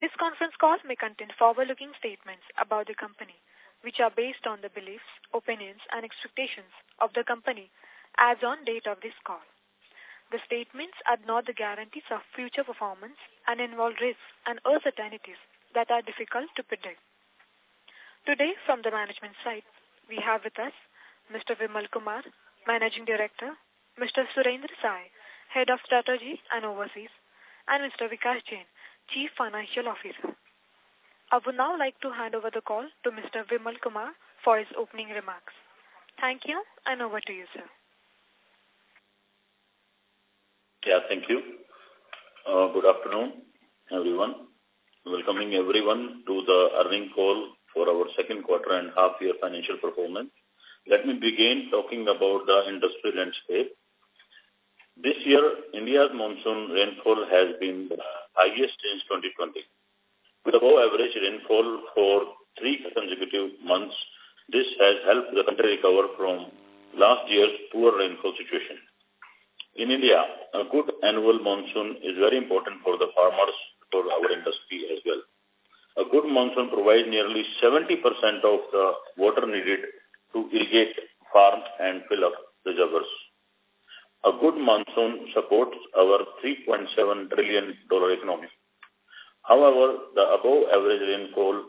...This conference call may contain forward-looking statements about the company, which are based on the beliefs, opinions, and expectations of the company as on date of this call. The statements are not the guarantees of future performance and involve risks and uncertainties that are difficult to predict. Today, from the management side, we have with us Mr. Vimal Kumar, Managing Director, Mr. Surendra Sai, Head of Strategy and Overseas, and Mr. Vikas Jain, Chief Financial Officer. I would now like to hand over the call to Mr. Vimal Kumar for his opening remarks. Thank you, and over to you, sir. Yeah, thank you. Good afternoon, everyone. Welcoming everyone to the earnings call for our second quarter and half year financial performance. Let me begin talking about the industry landscape. This year, India's monsoon rainfall has been the highest since twenty twenty. With above average rainfall for three consecutive months, this has helped the country recover from last year's poor rainfall situation. In India, a good annual monsoon is very important for the farmers, for our industry as well. A good monsoon provides nearly 70% of the water needed to irrigate farms and fill up the reservoirs. A good monsoon supports our $3.7 trillion economy. However, the above average rainfall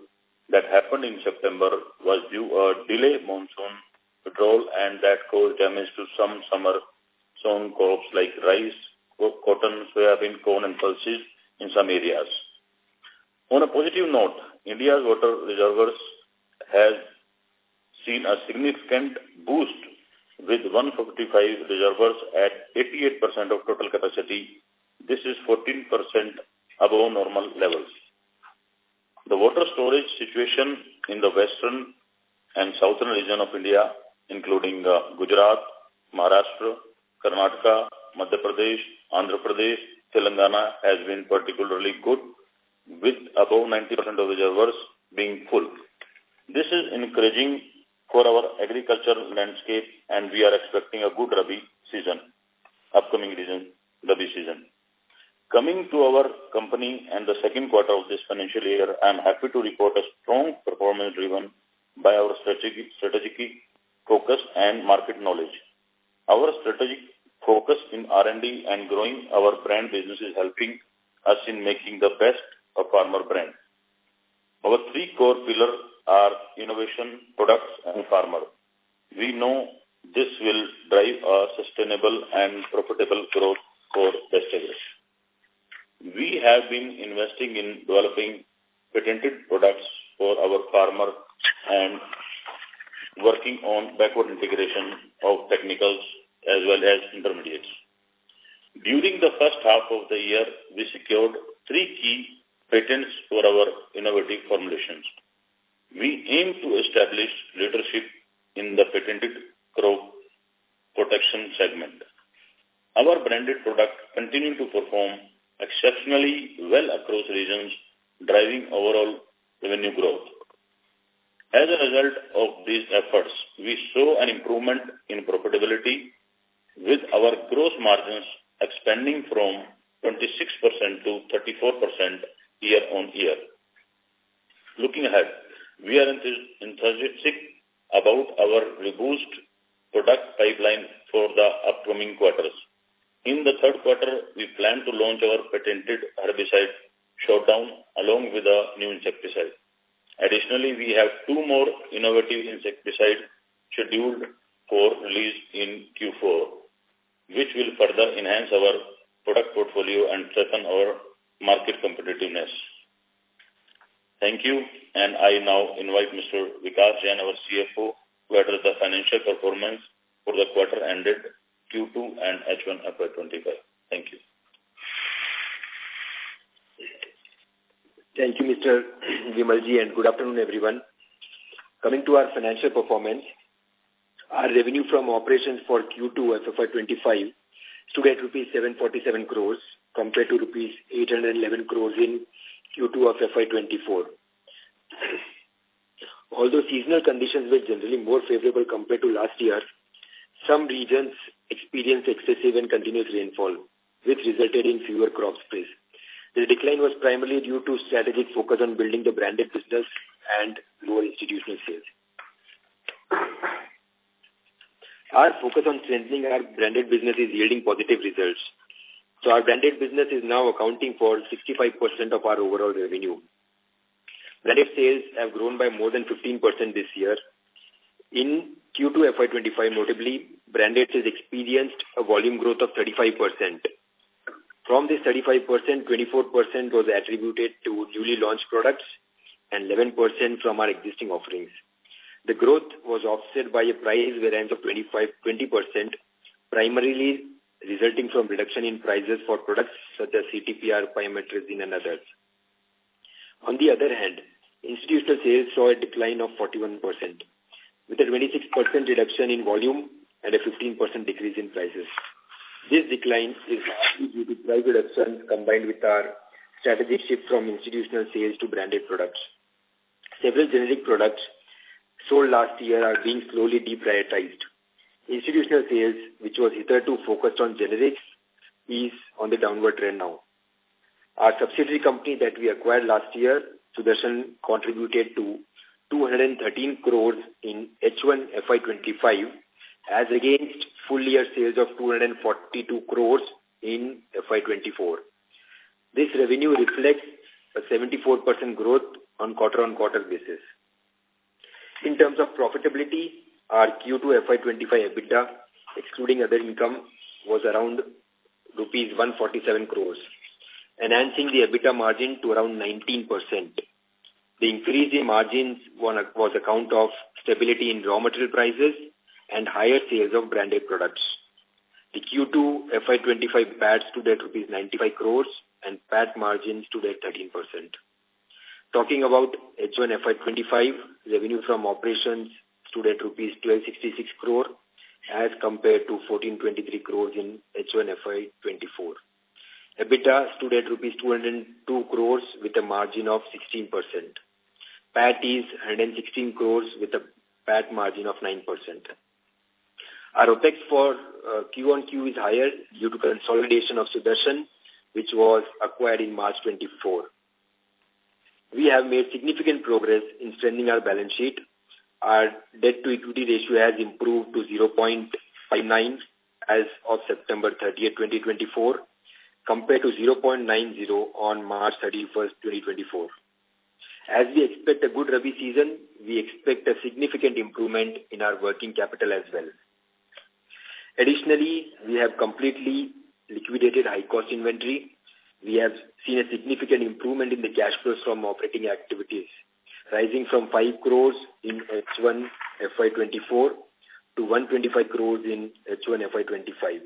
that happened in September was due to a delayed monsoon withdrawal, and that caused damage to some summer-sown crops like rice, cotton, soybean, corn, and pulses in some areas. On a positive note, India's water reservoirs has seen a significant boost with 155 reservoirs at 88% of total capacity. This is 14% above normal levels. The water storage situation in the western and southern region of India, including Gujarat, Maharashtra, Karnataka, Madhya Pradesh, Andhra Pradesh, Telangana, has been particularly good, with above 90% of reservoirs being full. This is encouraging for our agricultural landscape, and we are expecting a good Rabi season, upcoming season, Rabi season. Coming to our company and the second quarter of this financial year, I'm happy to report a strong performance driven by our strategic focus and market knowledge. Our strategic focus in R&D and growing our brand business is helping us in making the best of farmer brand. Our three core pillar are innovation, products, and farmer. We know this will drive a sustainable and profitable growth for Best Agrolife. We have been investing in developing patented products for our farmer and working on backward integration of technicals as well as intermediates. During the first half of the year, we secured three key patents for our innovative formulations. We aim to establish leadership in the patented crop protection segment. Our branded product continue to perform exceptionally well across regions, driving overall revenue growth. As a result of these efforts, we saw an improvement in profitability, with our gross margins expanding from 26% to 34% year on year. Looking ahead, we are enthusiastic about our robust product pipeline for the upcoming quarters. In the third quarter, we plan to launch our patented herbicide, Shot Down, along with a new insecticide. Additionally, we have two more innovative insecticides scheduled for release in Q4, which will further enhance our product portfolio and strengthen our market competitiveness. Thank you, and I now invite Mr. Vikas Jain, our CFO, to address the financial performance for the quarter ended Q2 and H1 FY 2025. Thank you. Thank you, Mr. Vimalji, and good afternoon, everyone. Coming to our financial performance, our revenue from operations for Q2 FY 2025 stood at rupees 747 crores, compared to rupees 811 crores in Q2 of FY 2024. Although seasonal conditions were generally more favorable compared to last year, some regions experienced excessive and continuous rainfall, which resulted in fewer crops produced. The decline was primarily due to strategic focus on building the branded business and lower institutional sales. Our focus on strengthening our branded business is yielding positive results, so our branded business is now accounting for 65% of our overall revenue. Branded sales have grown by more than 15% this year. In Q2 FY 2025, notably, branded has experienced a volume growth of 35%. From this 35%, 24% was attributed to newly launched products and 11% from our existing offerings. The growth was offset by a price variance of 20%, primarily resulting from reduction in prices for products such as CTPR, Pymetrozine, and others. On the other hand, institutional sales saw a decline of 41%, with a 26% reduction in volume and a 15% decrease in prices. This decline is largely due to price reductions, combined with our strategic shift from institutional sales to branded products. Several generic products sold last year are being slowly deprioritized. Institutional sales, which was hitherto focused on generics, is on the downward trend now. Our subsidiary company that we acquired last year, Sudarshan, contributed to 213 crores in H1 FY 2025, as against full year sales of 242 crores in FY 2024. This revenue reflects a 74% growth on quarter-on-quarter basis. In terms of profitability, our Q2 FY 2025 EBITDA, excluding other income, was around rupees 147 crore, enhancing the EBITDA margin to around 19%. The increase in margins was account of stability in raw material prices and higher sales of branded products. The Q2 FY 2025 PAT stood at INR 95 crore, and PAT margins stood at 13%. Talking about H1 FY 2025, revenue from operations stood at rupees 1,266 crore as compared to 1,423 crore in H1 FY 2024. EBITDA stood at rupees 202 crore with a margin of 16%. PAT is 116 crore with a PAT margin of 9%. Our OpEx for Q on Q is higher due to consolidation of Sudarshan, which was acquired in March 2024. We have made significant progress in strengthening our balance sheet. Our debt-to-equity ratio has improved to 0.59 as of September thirtieth, 2024, compared to 0.90 on March thirty-first, 2024. As we expect a good Rabi season, we expect a significant improvement in our working capital as well. Additionally, we have completely liquidated high-cost inventory. We have seen a significant improvement in the cash flows from operating activities, rising from 5 crores in H1 FY twenty-four to 125 crores in H1 FY twenty-five.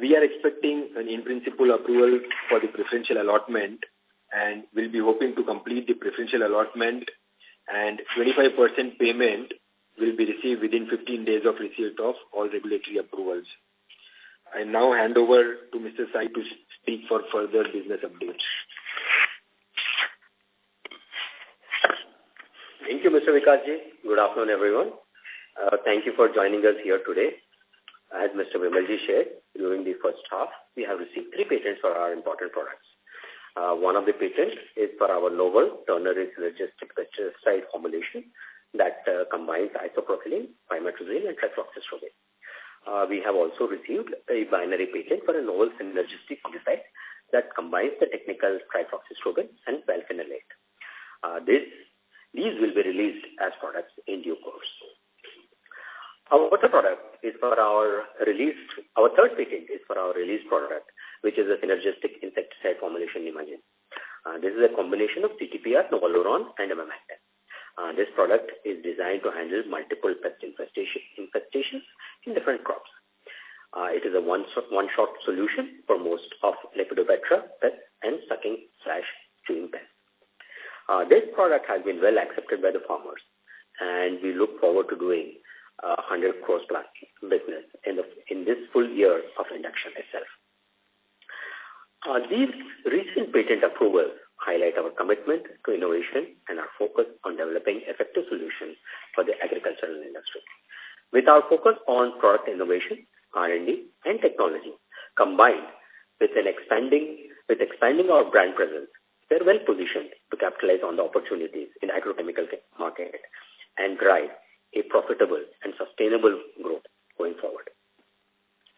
We are expecting an in-principle approval for the preferential allotment and will be hoping to complete the preferential allotment, and 25% payment will be received within 15 days of receipt of all regulatory approvals. I now hand over to Mr. Sai to speak for further business updates. Thank you, Mr. Vikasji. Good afternoon, everyone. Thank you for joining us here today. As Mr. Vimalji shared, during the first half, we have received three patents for our important products. One of the patents is for our novel ternary synergistic insecticide formulation that combines isoprothiolane, pymetrozine, and trifloxystrobin. We have also received a binary patent for a novel synergistic fungicide that combines the technical trifloxystrobin and valifenalate. This, these will be released as products in due course. Our third patent is for our released product, which is a synergistic insecticide formulation, Nemagen. This is a combination of CTPR, novaluron, and emamectin. This product is designed to handle multiple pest infestations in different crops. It is a one-shot solution for most of Lepidoptera pests and sucking/chewing pests. This product has been well accepted by the farmers, and we look forward to doing 100 crores plus business in this full year of induction itself. These recent patent approvals highlight our commitment to innovation and our focus on developing effective solutions for the agricultural industry. With our focus on product innovation, R&D, and technology, combined with expanding our brand presence, we're well positioned to capitalize on the opportunities in the agrochemical market and drive a profitable and sustainable growth going forward.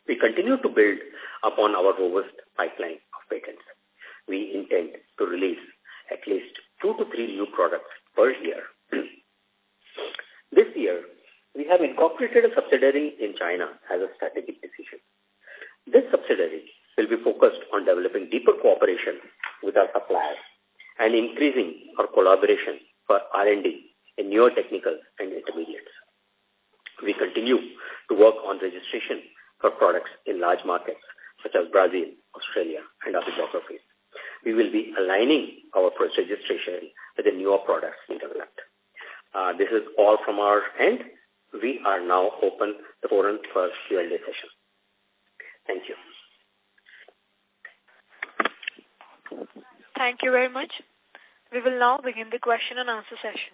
We continue to build upon our robust pipeline of patents. We intend to release at least two to three new products per year. This year, we have incorporated a subsidiary in China as a strategic decision. This subsidiary will be focused on developing deeper cooperation with our suppliers and increasing our collaboration for R&D in newer technical and intermediates. We continue to work on registration for products in large markets such as Brazil, Australia, and other geographies. We will be aligning our first registration with the newer products we developed. This is all from our end. We are now opening the floor for Q&A session. Thank you. Thank you very much. We will now begin the question and answer session.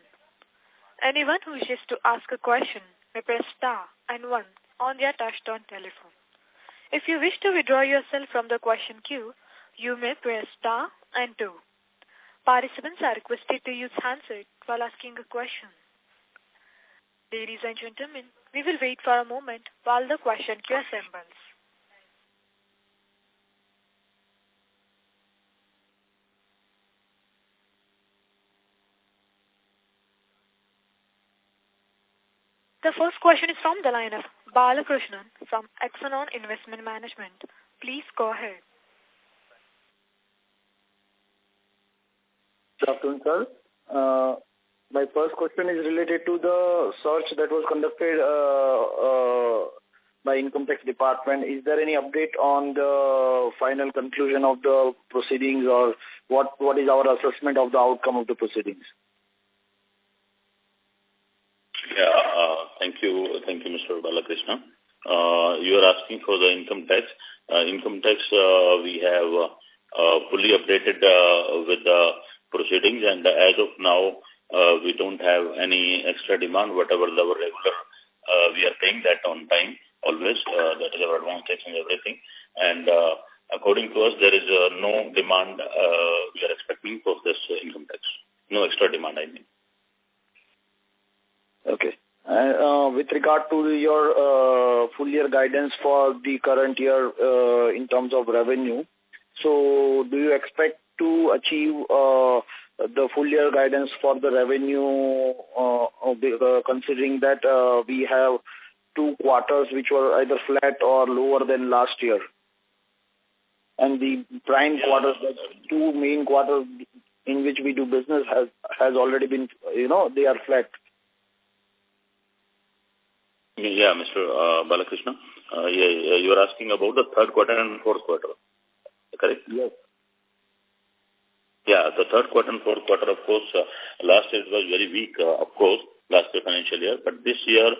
Anyone who wishes to ask a question may press star and one on their touchtone telephone. If you wish to withdraw yourself from the question queue, you may press star and two. Participants are requested to use hands free while asking a question. Ladies and gentlemen, we will wait for a moment while the question queue assembles. The first question is from the line of Balakrishnan from Axon Investment Management. Please go ahead. Good afternoon, sir. My first question is related to the search that was conducted by Income Tax Department. Is there any update on the final conclusion of the proceedings, or what is our assessment of the outcome of the proceedings? ...asking for the income tax. Income tax, we have fully updated with the proceedings, and as of now, we don't have any extra demand, whatever level regular, we are paying that on time always, that is our advance tax and everything. And according to us, there is no demand we are expecting for this income tax. No extra demand, I mean. Okay. With regard to your full year guidance for the current year, in terms of revenue, so do you expect to achieve the full year guidance for the revenue, considering that we have two quarters which were either flat or lower than last year? And the prime quarters, the two main quarters in which we do business has already been, you know, they are flat. Yeah, Mr. Balakrishnan. Yeah, you are asking about the third quarter and fourth quarter. Correct? Yes. Yeah, the third quarter and fourth quarter, of course, last year was very weak, of course, last year financial year. But this year,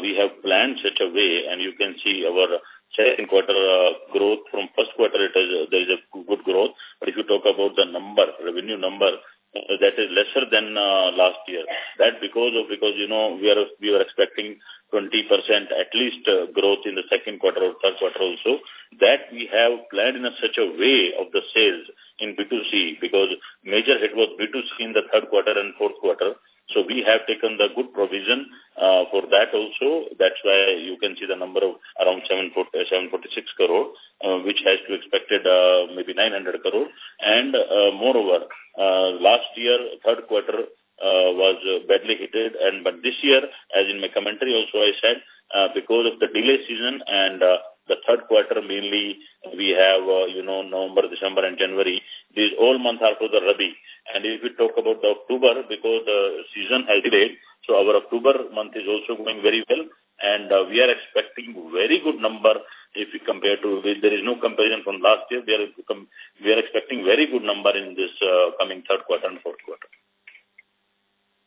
we have planned such a way, and you can see our second quarter, growth from first quarter, it is, there is a good growth. But if you talk about the number, revenue number, that is lesser than last year. That because of, because, you know, we were expecting 20% at least, growth in the second quarter or first quarter also. That we have planned in such a way of the sales in B2C, because major hit was B2C in the third quarter and fourth quarter. So we have taken the good provision, for that also. That's why you can see the number of around 740 crore, 746 crore, which was expected, maybe 900 crore. Moreover, last year, third quarter, was badly hit, but this year, as in my commentary also, I said, because of the delayed season and, the third quarter, mainly we have, you know, November, December and January, these all months are for the Rabi. And if you talk about the October, because the season has delayed, so our October month is also going very well, and, we are expecting very good number if we compare to... There is no comparison from last year. We are expecting very good number in this, coming third quarter and fourth quarter.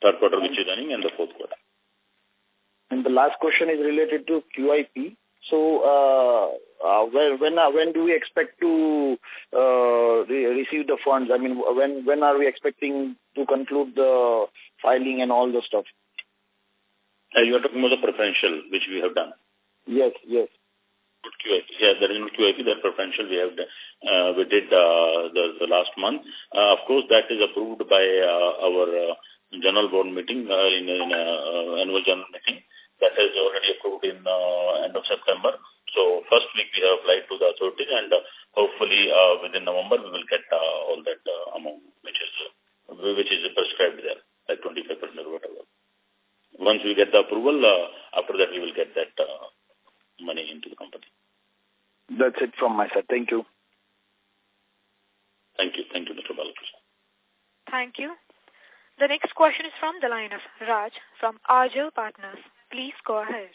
Third quarter which is running and the fourth quarter. The last question is related to QIP. When do we expect to receive the funds? I mean, when are we expecting to conclude the filing and all the stuff? You are talking about the preferential, which we have done? Yes, yes. With QIP. Yeah, that is not QIP, that preferential we have done. We did the last month. Of course, that is approved by our general board meeting in annual general meeting. That is already approved in end of September. So first week we have applied to the authorities, and hopefully within November, we will get all that amount, which is prescribed there, like 25% or whatever. Once we get the approval, after that we will get that money into the company. That's it from my side. Thank you. Thank you. Thank you, Mr. Balakrishnan. Thank you. The next question is from the line of Raj from Arjav Partners. Please go ahead.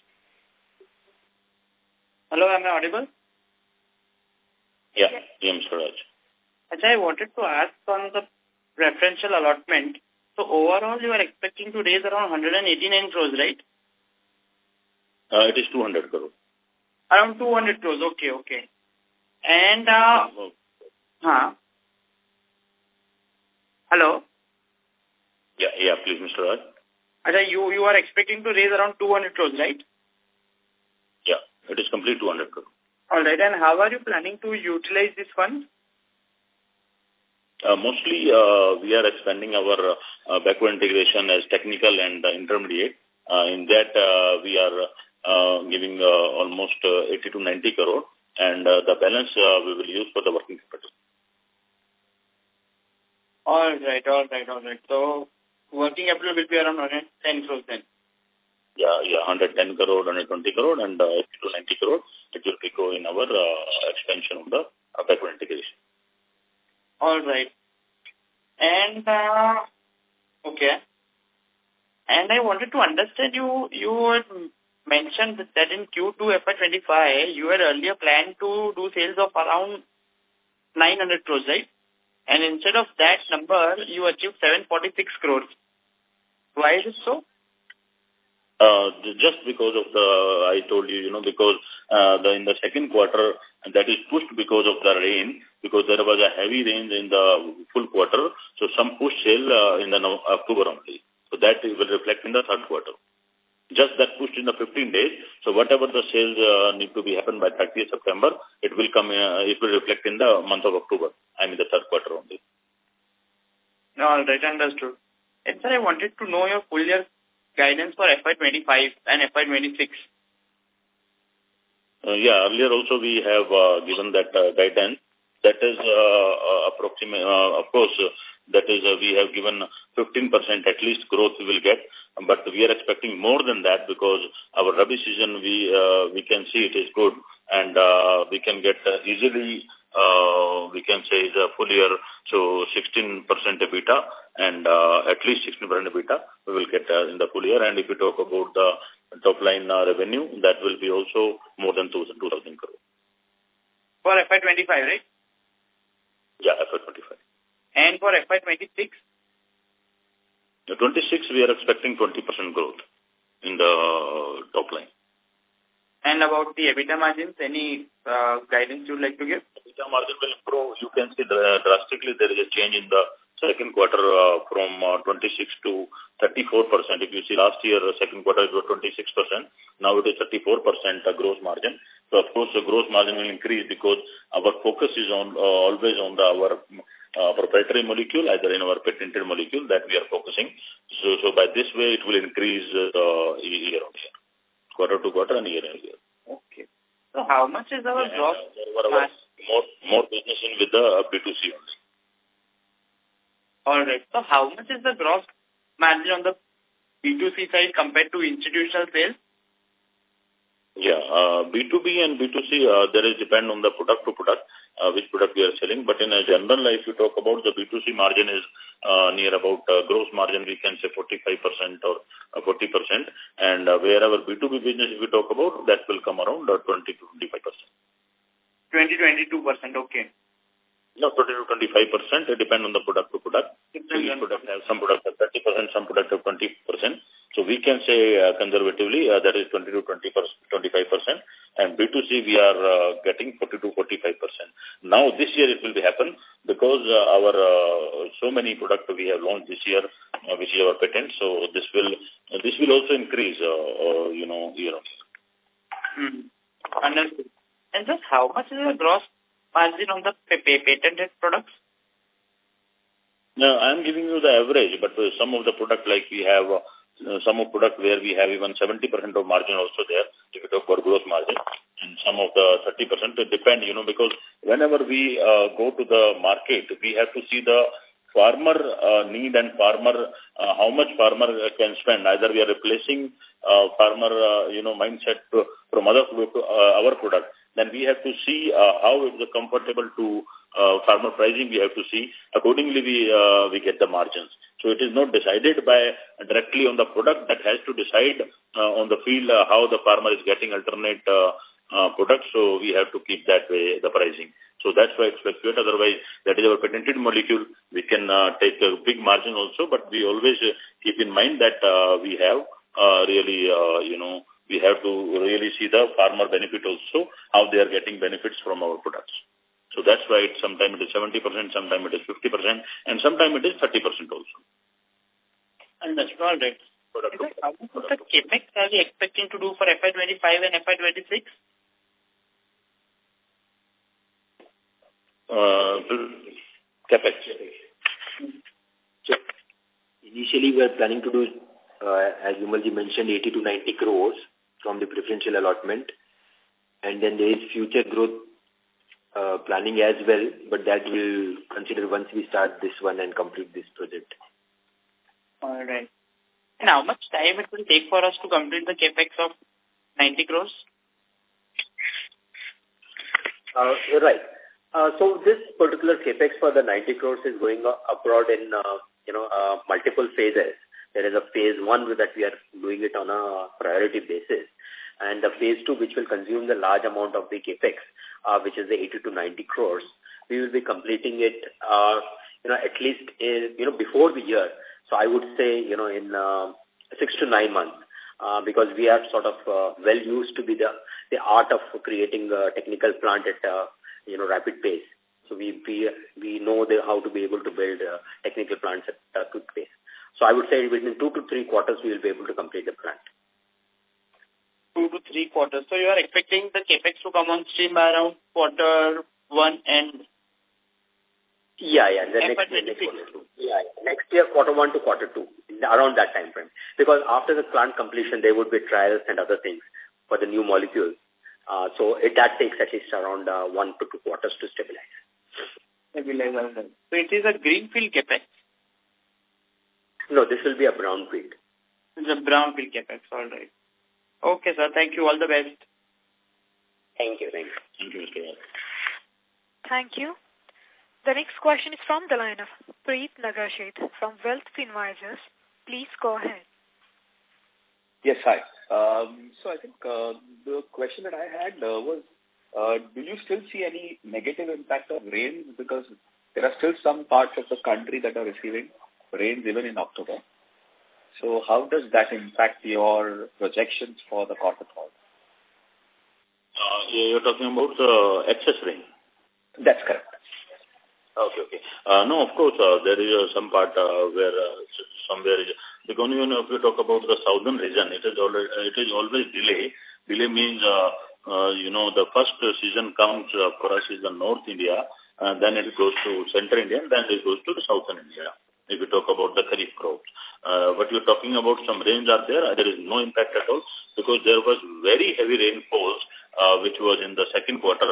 Hello, am I audible? Yeah. Yeah, Mr. Raj. I wanted to ask on the preferential allotment. So overall, you are expecting to raise around 189 crores, right? It is 200 crore. Around 200 crores. Okay, okay. And hello? Yeah, yeah. Please, Mr. Raj. You are expecting to raise around 200 crores, right? Yeah, it is complete 200 crore. All right, and how are you planning to utilize these funds? Mostly, we are expanding our backward integration as technical and intermediate. In that, we are giving almost 80-90 crore, and the balance we will use for the working capital. All right. So working capital will be around 110 crores then? Yeah, yeah, 110 crore, 120 crore, and 80-90 crores, which will go in our expansion of the backward integration. All right. Okay. I wanted to understand. You had mentioned that in Q2 FY 2025, you had earlier planned to do sales of around 900 crores, right? And instead of that number, you achieved 746 crores. Why is it so? Just because of the, I told you, you know, because the in the second quarter, that is pushed because of the rain, because there was a heavy rain in the full quarter, so some pushed sale in the November-October only. So that it will reflect in the third quarter. Just that pushed in the fifteen days, so whatever the sales need to be happened by thirty September, it will come, it will reflect in the month of October, I mean the third quarter only. All right, understood. And sir, I wanted to know your full year guidance for FY 2025 and FY 2026. Yeah, earlier also we have given that guidance. That is, of course, that is, we have given 15% at least growth we will get, but we are expecting more than that because our Rabi season, we can see it is good and we can get easily. We can say the full year to 16% EBITDA and at least 16% EBITDA we will get in the full year. And if you talk about the top line, revenue, that will be also more than 2,000 crore. For FY 2025, right? And for FY 2026? The 26, we are expecting 20% growth in the top line. And about the EBITDA margins, any, guidance you would like to give? EBITDA margin will improve. You can see that drastically there is a change in the second quarter, from 26% to 34%. If you see last year, the second quarter it was 26%. Now it is 34%, the gross margin. So of course, the gross margin will increase because our focus is on always on our proprietary molecule, either in our patented molecule that we are focusing. So by this way, it will increase year on year, quarter to quarter and year on year. Okay, so how much is our gross margin? More business in with the B2C also. All right. So how much is the gross margin on the B2C side compared to institutional sales? Yeah, B2B and B2C, that is depend on the product to product, which product we are selling. But in a general, if you talk about the B2C margin is, near about, gross margin, we can say 45% or 40%. And where our B2B business, we talk about, that will come around 20%-25%. 20%-22%, okay. No, 20%-25%, it depend on the product to product. Okay. Some product are 30%, some product are 20%. So we can say, conservatively, that is 20%-25%, and B2C, we are getting 40%-45%. Now, this year it will be happen because, our so many product we have launched this year, which are patent, so this will, this will also increase, you know, year on year. Understood. And just how much is the gross margin on the patented products? No, I'm giving you the average, but some of the product, like, we have some of product where we have even 70% of margin also there, if you talk about gross margin, and some of the 30%, it depend, you know, because whenever we go to the market, we have to see the farmer need and farmer how much farmer can spend. Either we are replacing farmer you know mindset from other group to our product. Then we have to see how is it comfortable to farmer pricing, we have to see. Accordingly, we get the margins. So it is not decided by directly on the product. That has to decide on the field how the farmer is getting alternate products. So we have to keep that way, the pricing. That's why it fluctuates. Otherwise, that is our patented molecule. We can take a big margin also, but we always keep in mind that we have really, you know, we have to really see the farmer benefit also, how they are getting benefits from our products. That's why sometimes it is 70%, sometimes it is 50%, and sometimes it is 30% also. Understood. All right. Product. How much CapEx are we expecting to do for FY 2025 and FY 2026? Uh, CapEx. Initially, we are planning to do, as Vimalji mentioned, 80-90 crores from the preferential allotment, and then there is future growth planning as well, but that we'll consider once we start this one and complete this project. All right. And how much time it will take for us to complete the CapEx of 90 crores? Right, so this particular CapEx for the 90 crores is going abroad in, you know, multiple phases. There is a phase one that we are doing it on a priority basis, and the phase two, which will consume the large amount of the CapEx, which is the 80-90 crores. We will be completing it, you know, at least in, you know, before the year. So I would say, you know, in six to nine months, because we are sort of well used to the art of creating a technical plant at a, you know, rapid pace. So we know how to be able to build technical plants at a good pace. So I would say within two to three quarters, we will be able to complete the plant. Two to three quarters. So you are expecting the CapEx to come on stream by around quarter one and- Yeah, yeah. FY twenty-six. Yeah, next year, quarter one to quarter two, around that timeframe. Because after the plant completion, there would be trials and other things for the new molecule. So it, that takes at least around, one to two quarters to stabilize. Stabilize. Okay. So it is a greenfield CapEx? No, this will be a brownfield. It's a brownfield CapEx. All right. Okay, sir. Thank you. All the best. Thank you. Thank you. Thank you very much. Thank you. The next question is from the line of Preet Nagshet from Wealthsmith Advisors. Please go ahead. Yes, hi. So I think, the question that I had, was, do you still see any negative impact of rain? Because there are still some parts of the country that are receiving rain even in October. So how does that impact your projections for the quarter four? You're talking about the excess rain? That's correct. Okay, okay. No, of course, there is some part where somewhere... Because, you know, if you talk about the southern region, it is already, it is always delay. Delay means, you know, the first season comes for us is the North India, then it goes to Central India, and then it goes to the Southern India, if you talk about the Kharif crops. What you're talking about some rains are there, there is no impact at all. Because there was very heavy rainfalls, which was in the second quarter.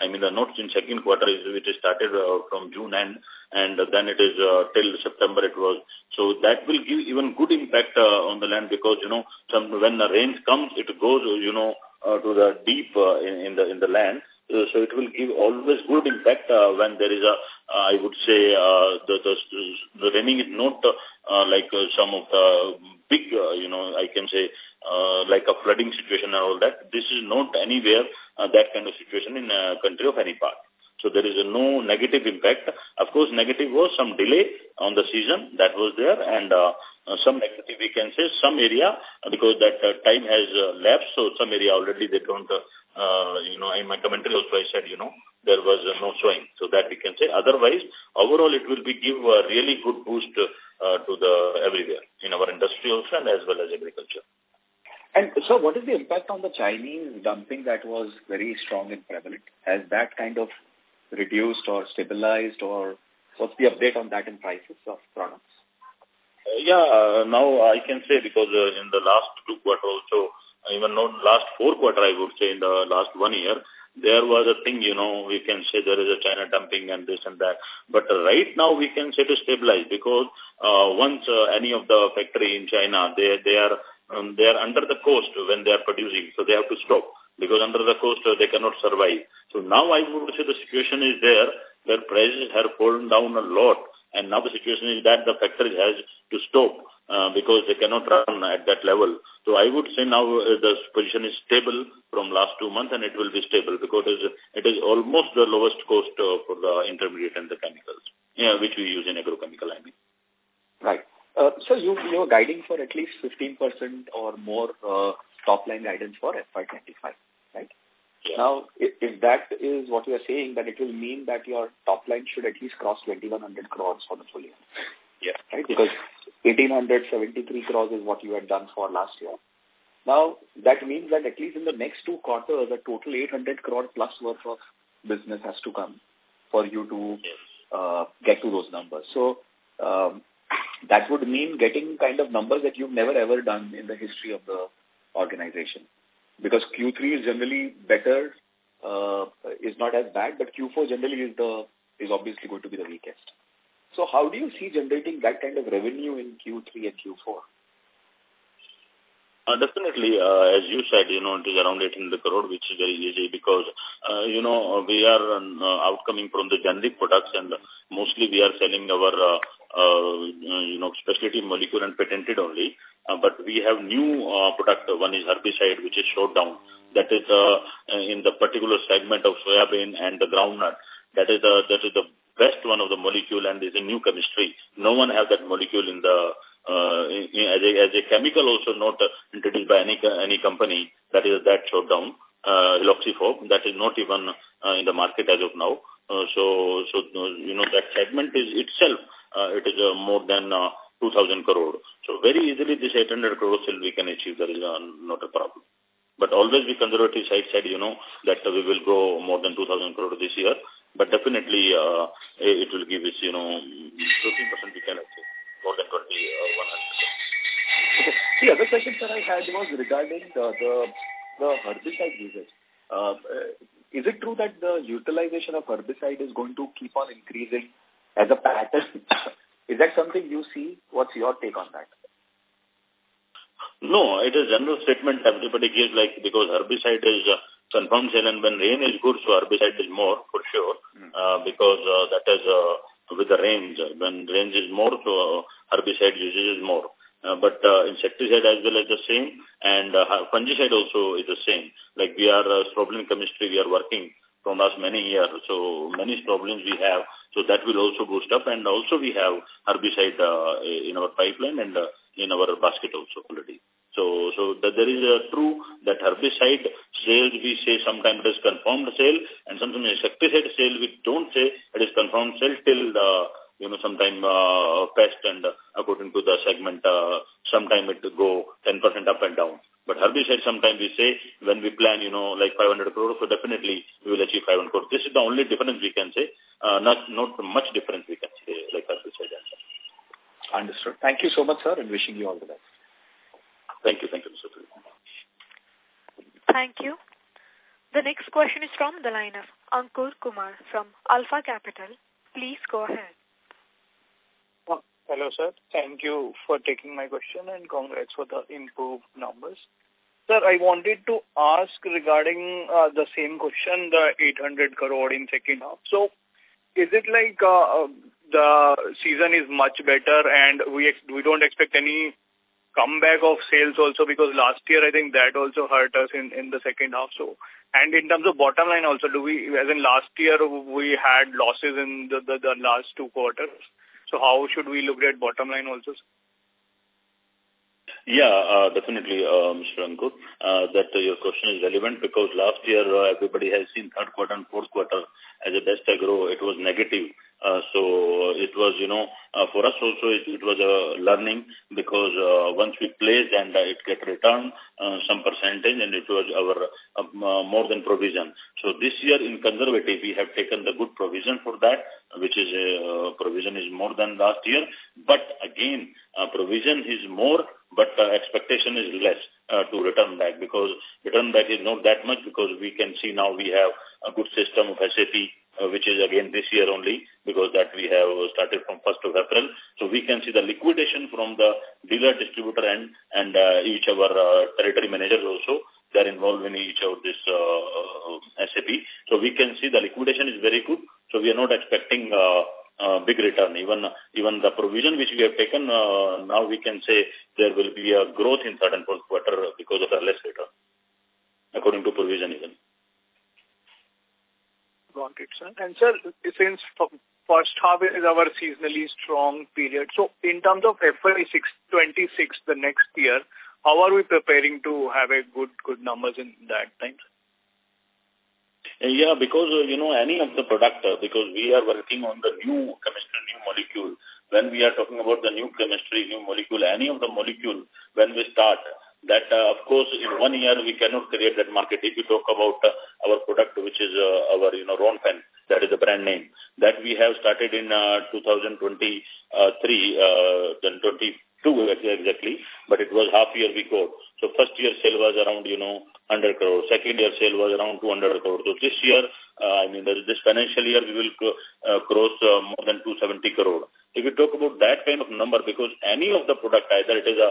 I mean, the north in second quarter, which started from June end, and then it is till September it was. So that will give even good impact on the land because, you know, when the rains comes, it goes, you know, to the deep in the land. So it will give always good impact when there is a I would say the rain is not like some of the big you know like a flooding situation and all that. This is not anywhere that kind of situation in any part of the country. So there is no negative impact. Of course, negative was some delay in the season, that was there, and some negativity we can say some area because that time has lapsed, so some area already they don't you know in my commentary also I said, you know, there was no sowing. So that we can say. Otherwise, overall, it will be give a really good boost, to the everywhere in our industry also as well as agriculture. What is the impact on the Chinese dumping that was very strong and prevalent? Has that kind of reduced or stabilized, or what's the update on that and prices of products? Yeah. Now I can say because, in the last two quarters also, even now last four quarter, I would say in the last one year, there was a thing, you know, we can say there is a China dumping and this and that, but right now we can say it is stabilized. Because, once, any of the factory in China, they are under the cost when they are producing, so they have to stop, because under the cost, they cannot survive. So now I would say the situation is there, where prices have fallen down a lot, and now the situation is that the factory has to stop, because they cannot run at that level. So I would say now the situation is stable from last two months, and it will be stable because it is almost the lowest cost for the intermediate and the chemicals, which we use in agrochemical, I mean. Right. So you, you're guiding for at least 15% or more, top line guidance for FY 2025, right? Yeah. Now, if that is what you are saying, then it will mean that your top line should at least cross 2,100 crores for the full year. Yeah. Right? Because 1,873 crores is what you had done for last year. Now, that means that at least in the next two quarters, a total 800 crore plus worth of business has to come for you to- Yes. Get to those numbers. So, that would mean getting kind of numbers that you've never, ever done in the history of the organization. Because Q3 is generally better, is not as bad, but Q4 generally is obviously going to be the weakest. So how do you see generating that kind of revenue in Q3 and Q4? Definitely, as you said, you know, it is around 1800 crore, which is very easy because, you know, we are outcoming from the generic products, and mostly we are selling our, you know, specialty molecule and patented only. But we have new product. One is herbicide, which is Shot Down. That is in the particular segment of soybean and the groundnut. That is the, that is the best one of the molecule and is a new chemistry. No one has that molecule in the, as a, as a chemical also not introduced by any company that is that Shot Down, Haloxyfop, that is not even in the market as of now. So, you know, that segment is itself, it is more than 2000 crores. So very easily, this 800 crores we can still achieve. That is not a problem. But always we conservative side said, you know, that we will grow more than 2,000 crores this year, but definitely it will give us, you know, 15% we can achieve, more than 2,100 crores. The other question that I had was regarding the herbicide usage. Is it true that the utilization of herbicide is going to keep on increasing as a pattern? Is that something you see? What's your take on that? No, it is general statement everybody gives, like, because herbicide is confirmed sale, and when rain is good, so herbicide is more for sure. Mm. Because that is with the rains. When rains is more, so herbicide usage is more. But insecticide as well is the same, and fungicide also is the same. Like, we are a struggling chemistry, we are working from last many years, so many problems we have, so that will also boost up. And also we have herbicide in our pipeline and in our basket also already. So there is true that herbicide sales, we say sometimes it is confirmed sales, and sometimes insecticide sale, we don't say it is confirmed sale till, you know, sometime pressed and according to the segment, sometime it go 10% up and down. But herbicide, sometime we say when we plan, you know, like 500 crores, so definitely we will achieve 500 crores. This is the only difference we can say. Not much difference we can say, like I said earlier. Understood. Thank you so much, sir, and wishing you all the best. Thank you. Thank you, Mr. Pradeep. Thank you. The next question is from the line of Ankur Kumar from Alpha Capital. Please go ahead. Hello, sir. Thank you for taking my question, and congrats for the improved numbers. Sir, I wanted to ask regarding the same question, the 800 crore in second half. So is it like the season is much better, and we don't expect any comeback of sales also? Because last year, I think that also hurt us in the second half. So... And in terms of bottom line also, do we as in last year, we had losses in the last two quarters. So how should we look at bottom line also, sir? Yeah, definitely, Mr. Ankur. That your question is relevant because last year, everybody has seen third quarter and fourth quarter as a Best Agrolife. It was negative. So it was, you know, for us also it was a learning because, once we place and it get returned, some percentage, and it was our more than provision. So this year, in conservative, we have taken the good provision for that, which is provision is more than last year. But again, provision is more, but the expectation is less to return back, because return back is not that much, because we can see now we have a good system of SAP, which is again this year only, because that we have started from first of April. So we can see the liquidation from the dealer distributor end and each of our territory involved in each of this SAP. So we can see the liquidation is very good, so we are not expecting a big return. Even, even the provision which we have taken, now we can say there will be a growth in certain fourth quarter because of the less return, according to provision even. Got it, sir. And sir, since first half is our seasonally strong period, so in terms of FY 2026, the next year, how are we preparing to have a good, good numbers in that time? Yeah, because, you know, any of the product, because we are working on the new chemistry, new molecule, when we are talking about the new chemistry, new molecule, any of the molecule, when we start, that, of course, in one year we cannot create that market. If you talk about, our product, which is, our, you know, Ronfen, that is a brand name, that we have started in, two thousand twenty-three, then 2022 exactly, but it was half year before. So first year sale was around, you know, 100 crore. Second year sale was around 200 crore. So this year, I mean, this financial year, we will cross, more than 270 crore. If you talk about that kind of number, because any of the product, either it is a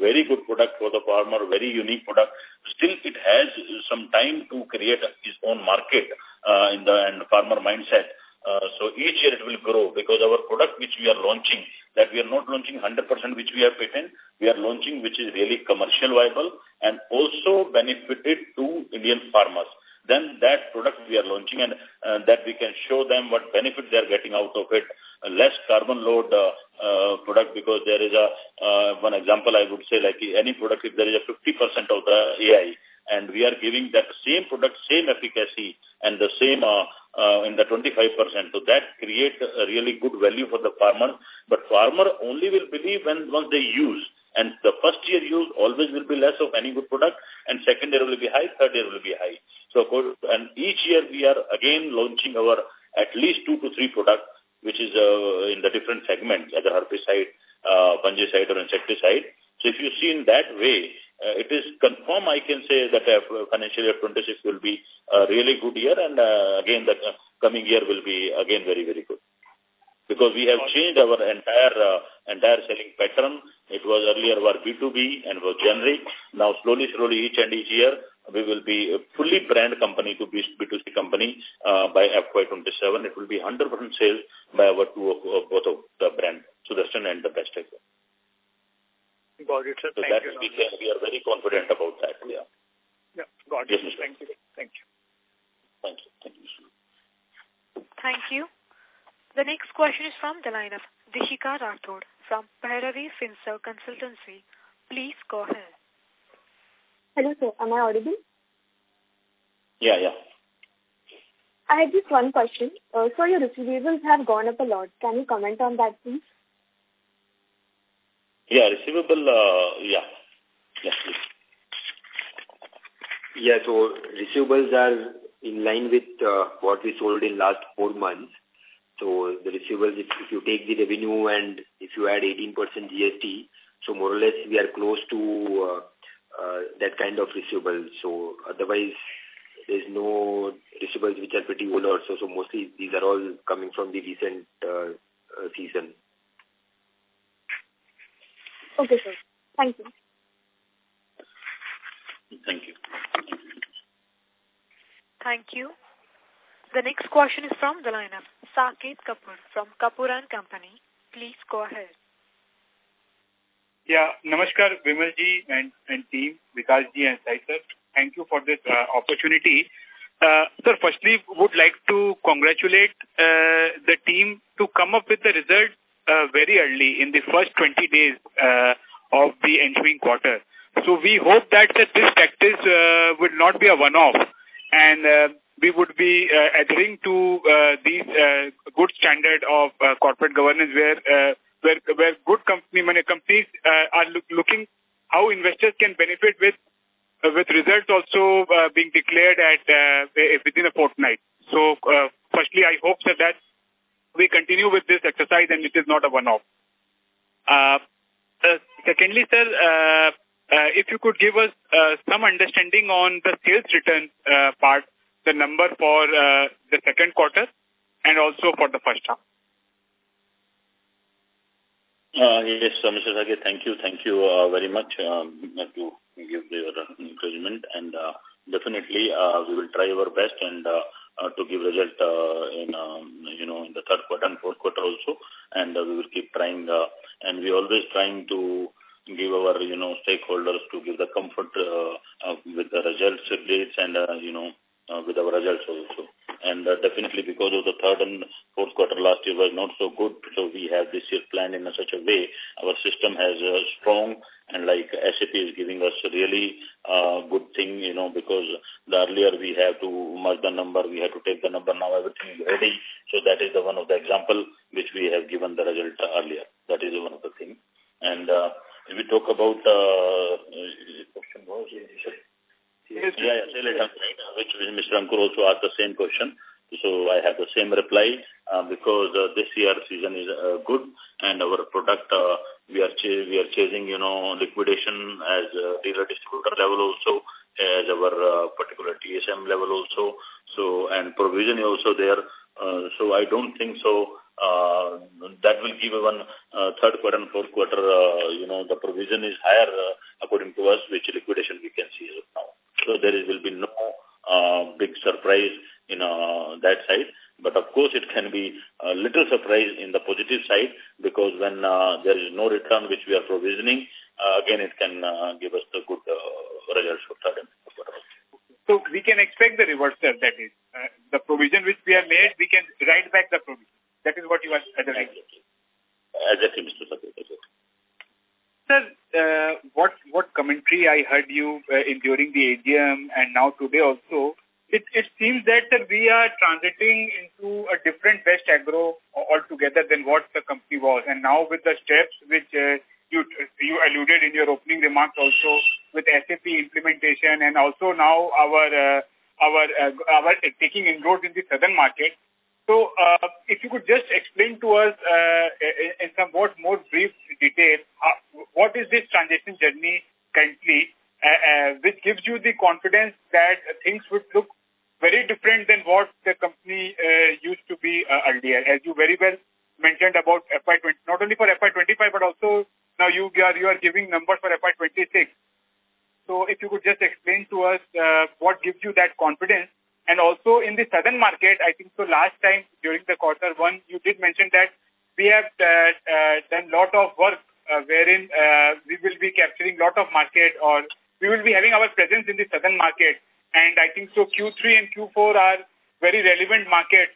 very good product for the farmer, very unique product, still it has some time to create its own market, and farmer mindset. So each year it will grow, because our product, which we are launching, that we are not launching 100%, which we have patent, we are launching, which is really commercial viable and also benefited to Indian farmers. Then that product we are launching and, that we can show them what benefit they are getting out of it. Less carbon load, product, because there is a one example I would say, like, any product, if there is a 50% of the AI, and we are giving that same product, same efficacy and the same, in the 25%. That creates a really good value for the farmer. But farmer only will believe when, once they use, and the first year use always will be less of any good product, and second year will be high, third year will be high. So, and each year we are again launching our at least two to three products, which is, in the different segments, either herbicide, fungicide or insecticide. So if you see in that way, it is confirmed, I can say that, financial year 2026 will be a really good year, and, again, the coming year will be again very, very good. Because we have changed our entire selling pattern. It was earlier our B2B and was generic. Now, slowly, slowly, each year, we will be a fully brand company to be B2C company, by FY 2027. It will be 100% sales by our two, both of the brand, Sudarshan and the Best Agrolife. Got it, sir. So that we can, we are very confident about that, yeah. Yeah, got it. Yes. Thank you. Thank you. Thank you. Thank you. Thank you. The next question is from the line of Dishika Rathod from Bhairavi Finserv Consultancy. Please go ahead. Hello, sir, am I audible? Yeah, yeah. I have just one question. So your receivables have gone up a lot. Can you comment on that, please? Yeah, receivable. Yeah. Yeah, please. Yeah, so receivables are in line with what we sold in last four months. So the receivables, if you take the revenue and if you add 18% GST, so more or less, we are close to that kind of receivables. So otherwise, there's no receivables which are pretty old. So mostly these are all coming from the recent season. Okay, sir. Thank you. Thank you. Thank you. The next question is from the line of Saket Kapoor from Kapoor and Company. Please go ahead. Yeah. Namaskar, Vimal ji and team, Vikas ji and Sai sir. Thank you for this opportunity. Sir, firstly, would like to congratulate the team to come up with the result very early in the first twenty days of the ensuing quarter. So we hope that this practice will not be a one-off, and we would be adhering to these good standard of corporate governance where good company, many companies, are looking how investors can benefit with results also being declared within a fortnight. So firstly, I hope that we continue with this exercise and it is not a one-off. Secondly, sir, if you could give us some understanding on the sales return part, the number for the second quarter and also for the first half? Yes, Mr. Saket, thank you. Thank you very much that you give your encouragement, and definitely we will try our best and to give result in you know in the third quarter and fourth quarter also. We will keep trying and we always trying to give our you know stakeholders to give the comfort with the results dates and you know with our results also. Definitely because of the third and fourth quarter last year was not so good, so we have this year planned in such a way, our system has strong and like SAP is giving us really good thing you know because the earlier we have to merge the number, we have to take the number, now everything is ready. So that is the one of the example which we have given the result earlier. That is one of the thing. And, if we talk about, question was... Yes. Yeah, yeah, which Mr. Ankur also asked the same question. So I have the same reply, because this year season is good and our product we are chasing, you know, liquidation as dealer distributor level also as our particular TSM level also, so and provision is also there. So I don't think so that will give even third quarter and fourth quarter, you know, the provision is higher according to us, which liquidation we can see as of now. So there will be no big surprise in that side. But of course, it can be a little surprise in the positive side, because when there is no return, which we are provisioning, again, it can give us the good results for third and fourth quarter. So we can expect the reversal, that is. The provision which we have made, we can write back the provision. That is what you are suggesting? Exactly. Exactly, Mr. Saket. Sir, what commentary I heard you in during the AGM and now today also, it seems that we are transitioning into a different Best Agro altogether than what the company was. And now with the steps which you alluded in your opening remarks also with SAP implementation and also now our taking inroads in the southern market. So, if you could just explain to us in some more brief detail what is this transition journey currently which gives you the confidence that things would look very different than what the company used to be earlier? As you very well mentioned about FY twenty- not only for FY 2025, but also now you are giving numbers for FY 2026. So if you could just explain to us what gives you that confidence? And also in the southern market, I think the last time during the quarter one, you did mention that we have done lot of work wherein we will be capturing lot of market or we will be having our presence in the southern market. And I think so Q3 and Q4 are very relevant markets,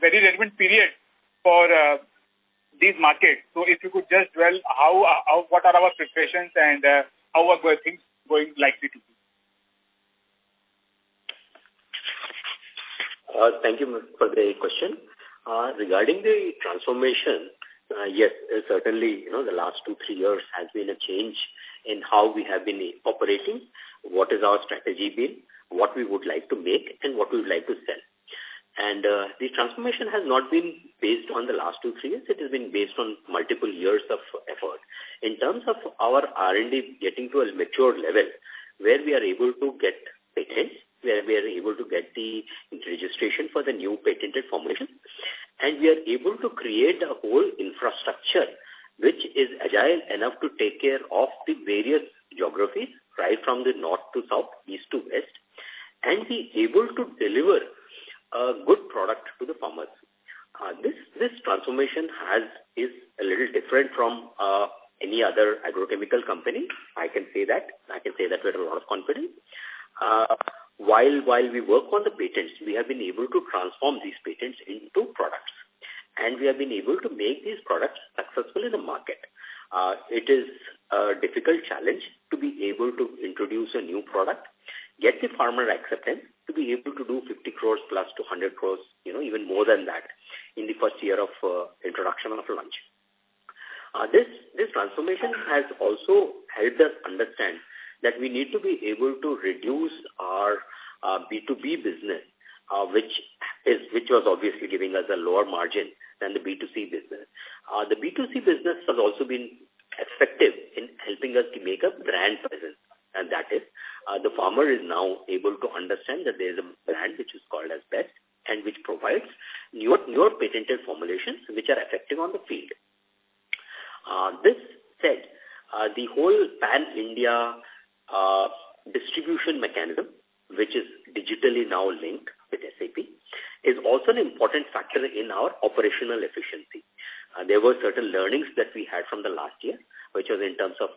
very relevant periods for these markets. So if you could just dwell how what are our preparations and how are things going likely to be? Thank you for the question. Regarding the transformation, yes, certainly, you know, the last two, three years has been a change in how we have been operating, what is our strategy been, what we would like to make, and what we would like to sell, and the transformation has not been based on the last two, three years, it has been based on multiple years of effort. In terms of our R&D getting to a mature level, where we are able to get patents, where we are able to get the registration for the new patented formulation, and we are able to create a whole infrastructure which is agile enough to take care of the various geographies, right from the north to south, east to west, and be able to deliver a good product to the farmers. This transformation is a little different from any other agrochemical company. I can say that. I can say that with a lot of confidence. While we work on the patents, we have been able to transform these patents into products, and we have been able to make these products successful in the market. It is a difficult challenge to be able to introduce a new product, get the farmer acceptance, to be able to do 50 crores to 100 crores, you know, even more than that, in the first year of introduction of launch. This transformation has also helped us understand that we need to be able to reduce our B2B business, which was obviously giving us a lower margin than the B2C business. The B2C business has also been effective in helping us to make a brand presence, and that is, the farmer is now able to understand that there is a brand which is called as Best, and which provides new patented formulations which are effective on the field. That said, the whole pan-India distribution mechanism, which is digitally now linked with SAP, is also an important factor in our operational efficiency. There were certain learnings that we had from the last year, which was in terms of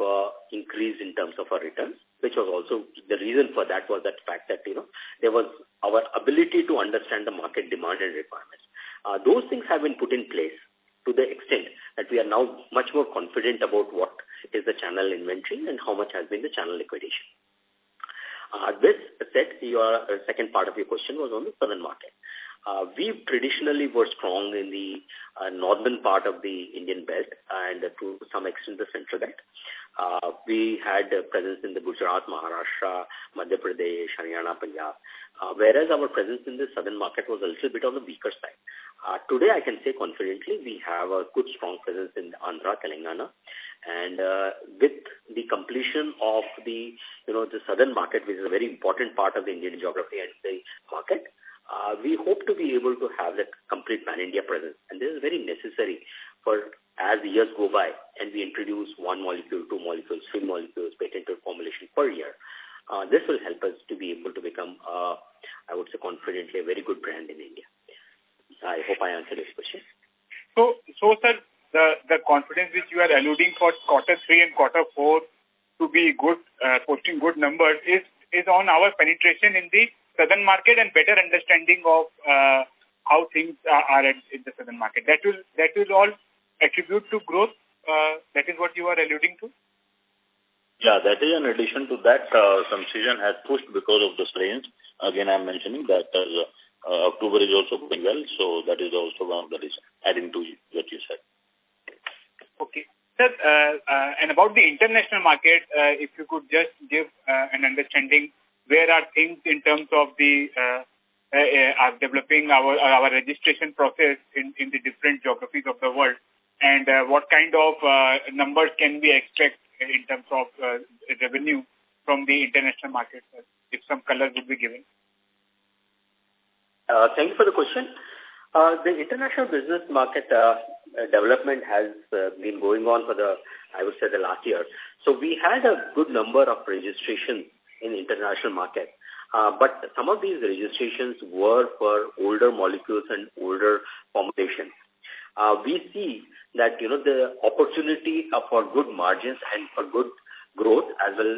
increase in terms of our returns, which was also the reason for that was the fact that, you know, there was our ability to understand the market demand and requirements. Those things have been put in place to the extent that we are now much more confident about what is the channel inventory and how much has been the channel liquidation. That said, your second part of your question was on the southern market. We traditionally were strong in the northern part of the Indian belt, and to some extent, the central belt. We had a presence in Gujarat, Maharashtra, Madhya Pradesh, Haryana, Punjab, whereas our presence in the southern market was a little bit on the weaker side. Today, I can say confidently, we have a good, strong presence in Andhra, Telangana. And, with the completion of the, you know, the southern market, which is a very important part of the Indian geography and the market, we hope to be able to have that complete pan-India presence. And this is very necessary for as the years go by and we introduce one molecule, two molecules, three molecules, patented formulation per year, this will help us to be able to become, I would say confidently, a very good brand in India. I hope I answered this question. So sir, the confidence which you are alluding for quarter three and quarter four to be good, posting good numbers, is on our penetration in the southern market and better understanding of how things are in the southern market. That will all attribute to growth, that is what you are alluding to? Yeah, that is in addition to that, some season has pushed because of the rains. Again, I'm mentioning that, October is also going well, so that is also one of the reason, adding to what you said. Okay. Sir, and about the international market, if you could just give an understanding, where are things in terms of the developing our registration process in the different geographies of the world? And what kind of numbers can we expect in terms of revenue from the international market, sir, if some color you'll be giving? Thank you for the question. The international business market development has been going on for the, I would say, the last year. So we had a good number of registration in international market, but some of these registrations were for older molecules and older formulations. We see that, you know, the opportunity for good margins and for good growth as well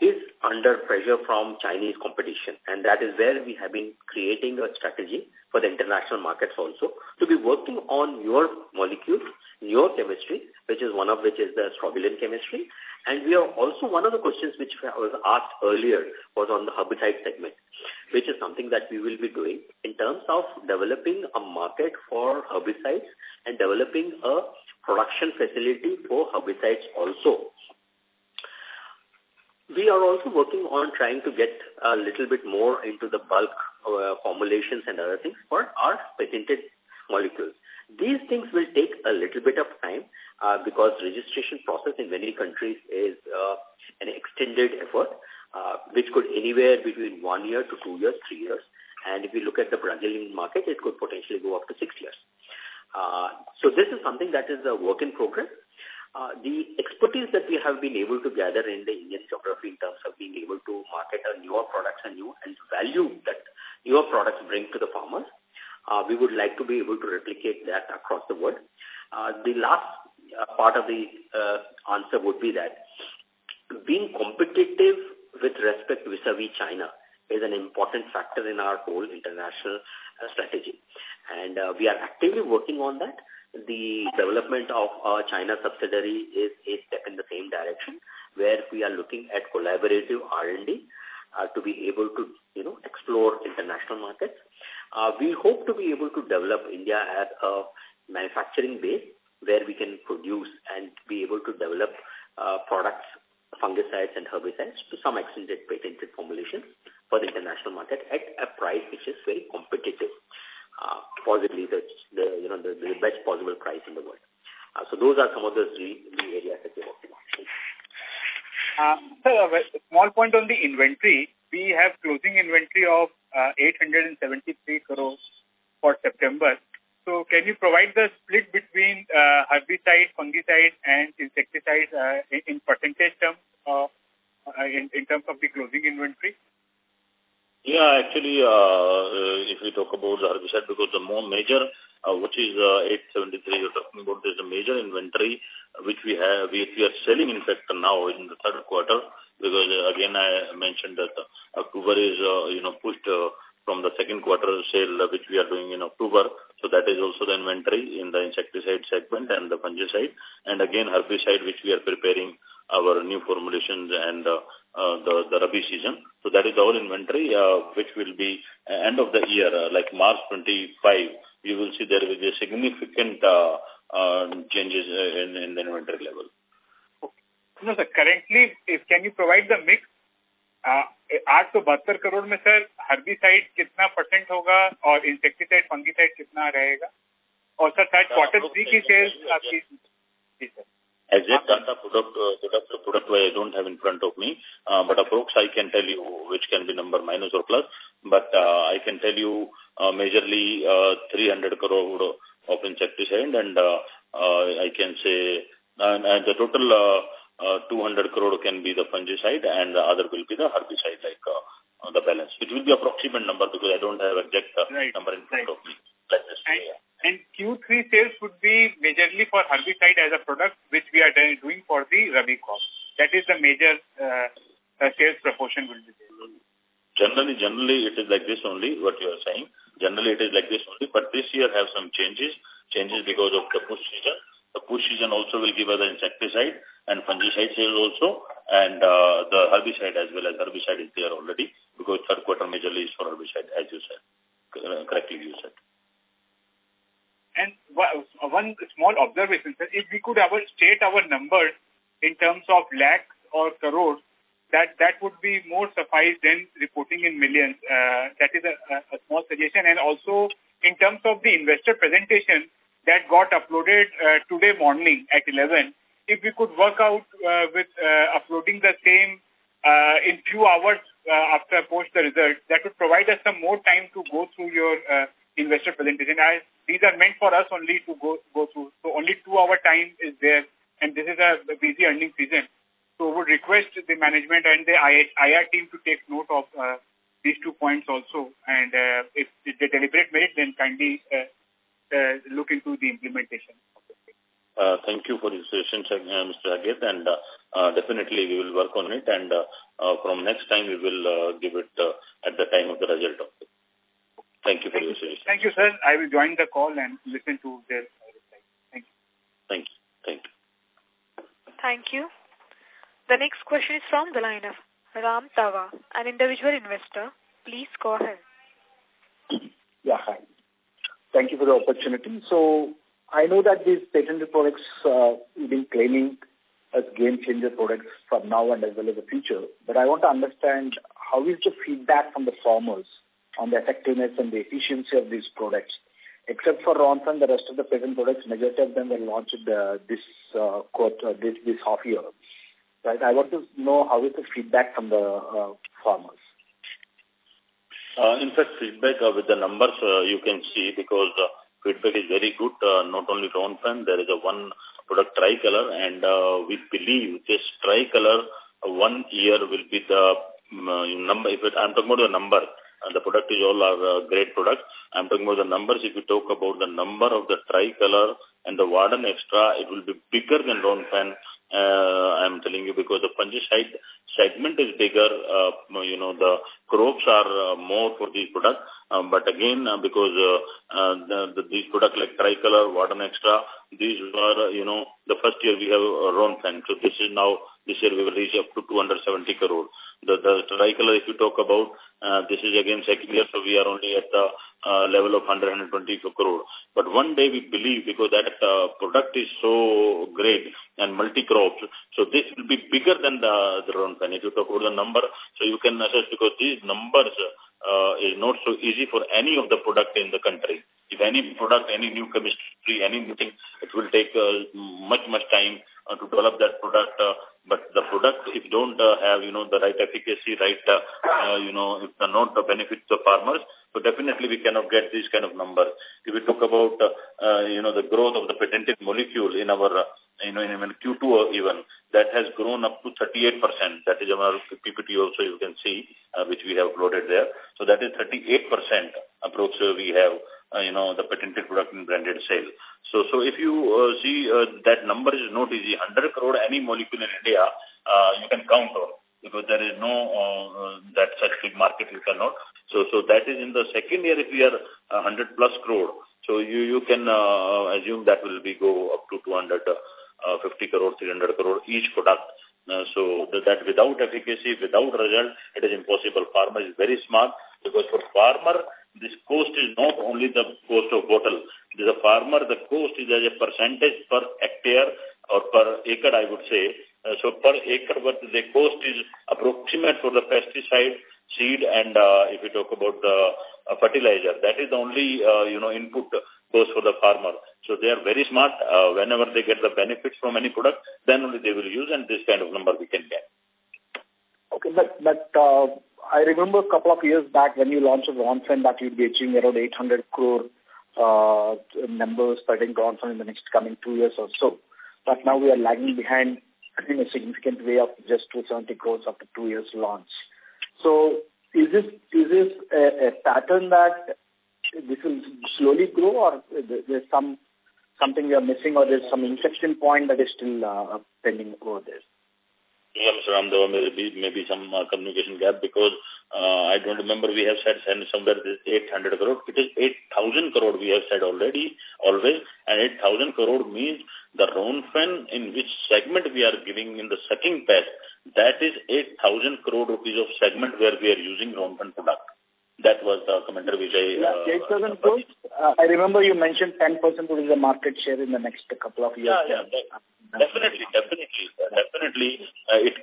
is under pressure from Chinese competition, and that is where we have been creating a strategy for the international markets also to be working on newer molecules, newer chemistry, which is one of which is the Strobilurin chemistry. And we are also, one of the questions which I was asked earlier was on the herbicide segment, which is something that we will be doing in terms of developing a market for herbicides and developing a production facility for herbicides also. We are also working on trying to get a little bit more into the bulk, formulations and other things for our patented molecules. These things will take a little bit of time, because registration process in many countries is an extended effort, which could anywhere between one year to two years, three years. And if you look at the Brazilian market, it could potentially go up to six years. So this is something that is a work in progress. The expertise that we have been able to gather in the Indian geography in terms of being able to market our newer products and value that newer products bring to the farmers, we would like to be able to replicate that across the world. The last part of the answer would be that being competitive with respect vis-a-vis China is an important factor in our whole international strategy, and we are actively working on that. The development of our China subsidiary is a step in the same direction, where we are looking at collaborative R&D to be able to, you know, explore international markets. We hope to be able to develop India as a manufacturing base where we can produce and be able to develop products, fungicides and herbicides, to some extended patented formulations for the international market at a price which is very competitive, possibly the, you know, the best possible price in the world. So those are some of the three areas that we're working on. Sir, a small point on the inventory. We have closing inventory of 873 crores for September. So can you provide the split between herbicide, fungicide and insecticide in percentage term in terms of the closing inventory? Yeah, actually, if we talk about the herbicide, because the more major, which is 873, you're talking about is a major inventory, which we have. We are selling, in fact, now in the third quarter, because again, I mentioned that October is, you know, pushed from the second quarter sale, which we are doing in October. So that is also the inventory in the insecticide segment and the fungicide. And again, herbicide, which we are preparing our new formulations and the Rabi season. So that is our inventory, which will be end of the year, like March 2025, you will see there will be significant changes in the inventory level. Okay. No, sir. Currently, I can't provide the mix. I don't have it in front of me, but approx, I can tell you which can be number minus or plus. But I can tell you majorly 300 crore of insecticide, and I can say the total 200 crore can be the fungicide and the other will be the herbicide, like the balance. It will be approximate number, because I don't have exact- Right. number in front of me. Right. Like this, yeah. Q3 sales would be majorly for herbicide as a product, which we are doing for the Rabi crop. That is the major sales proportion will be there. Mm-hmm. Generally, it is like this only what you are saying. Generally, it is like this only, but this year have some changes because of the Kharif season. The Kharif season also will give us the insecticide and fungicide sales also, and the herbicide as well as herbicide is there already, because third quarter majorly is for herbicide, as you said. Correctly you said. One small observation, sir. If we could state our numbers in terms of lakhs or crores, that would be more sufficient than reporting in millions. That is a small suggestion. Also in terms of the investor presentation that got uploaded today morning at eleven, if we could work out with uploading the same in a few hours after posting the result, that would provide us some more time to go through your investor presentation. These are meant for us only to go through. So only two-hour time is there, and this is a busy earnings season. So we would request the management and the IR team to take note of these two points also. And if it's a deliberate way, then kindly look into the implementation of the same. Thank you for the suggestions, Mr. Jaget, and definitely we will work on it. And from next time we will give it at the time of the result also. Thank you for your suggestions. Thank you, sir. I will join the call and listen to their reply. Thank you. Thank you. Thank you. Thank you. The next question is from the line of Ram Tavva, an individual investor. Please go ahead. Yeah, hi. Thank you for the opportunity. So I know that these patented products, you've been claiming as game changer products from now and as well as the future. But I want to understand how is the feedback from the farmers on the effectiveness and the efficiency of these products? Except for Ronfen, the rest of the present products, major have been launched, this quarter, this half year. Right, I want to know how is the feedback from the farmers. In fact, feedback with the numbers, you can see because the feedback is very good, not only Ronfen, there is one product, Tricolor, and we believe this Tricolor, one year will be the number. I'm talking about the number, and the products all are great products. I'm talking about the numbers. If you talk about the number of the Tricolor and the Warden Extra, it will be bigger than Ronfen. I'm telling you because the fungicide segment is bigger, you know, the crops are more for these products. But again, because the these products like Tricolor, Warden Extra, these are, you know, the first year we have Ronfen. So this is now, this year we will reach up to 270 crore. The Tricolor, if you talk about, this is again, second year, so we are only at the level of hundred and twenty-two crore. But one day we believe, because that product is so great and multi-crops, so this will be bigger than the Ronfen. If you talk about the number, so you can assess, because these numbers is not so easy for any of the product in the country. If any product, any new chemistry, any new thing, it will take much, much time to develop that product. But the product, if you don't have, you know, the right efficacy, right, you know, if not the benefits of farmers, so definitely we cannot get this kind of number. If you talk about, you know, the growth of the patented molecules in our, you know, in Q2 even, that has grown up to 38%. That is our PPT also you can see, which we have uploaded there. So that is 38% approach we have, you know, the patented product in branded sale. So if you see, that number is not easy. 100 crore, any molecule in India, you can count on, because there is no that such big market you cannot. So that is in the second year, if we are a 100 plus crore. So you can assume that will be go up to 200, 50 crore, 300 crore each product. So that without efficacy, without result, it is impossible. Farmer is very smart because for farmer, this cost is not only the cost of bottle. To the farmer, the cost is as a percentage per hectare or per acre, I would say, so per acre, what the cost is approximate for the pesticide seed, and if you talk about a fertilizer, that is the only, you know, input cost for the farmer, so they are very smart. Whenever they get the benefits from any product, then only they will use, and this kind of number we can get. Okay. But I remember a couple of years back when you launched Ronfen, that you'd be achieving around 800 crore numbers starting Ronfen in the next coming two years or so. But now we are lagging behind in a significant way of just 270 crore after two years launch. So is this a pattern that this will slowly grow, or there's something we are missing or there's some inflection point that is still pending over this? Yeah, I'm sure there may be some communication gap because I don't remember we have said somewhere this 800 crore. It is 8,000 crore we have said already, always. And 8,000 crore means the Ronfen, in which segment we are giving in the second best, that is 8,000 crore rupees of segment where we are using Ronfen product. That was the commentary which I, Yeah, 8,000 crores. I remember you mentioned 10% was the market share in the next couple of years. Yeah. Definitely, it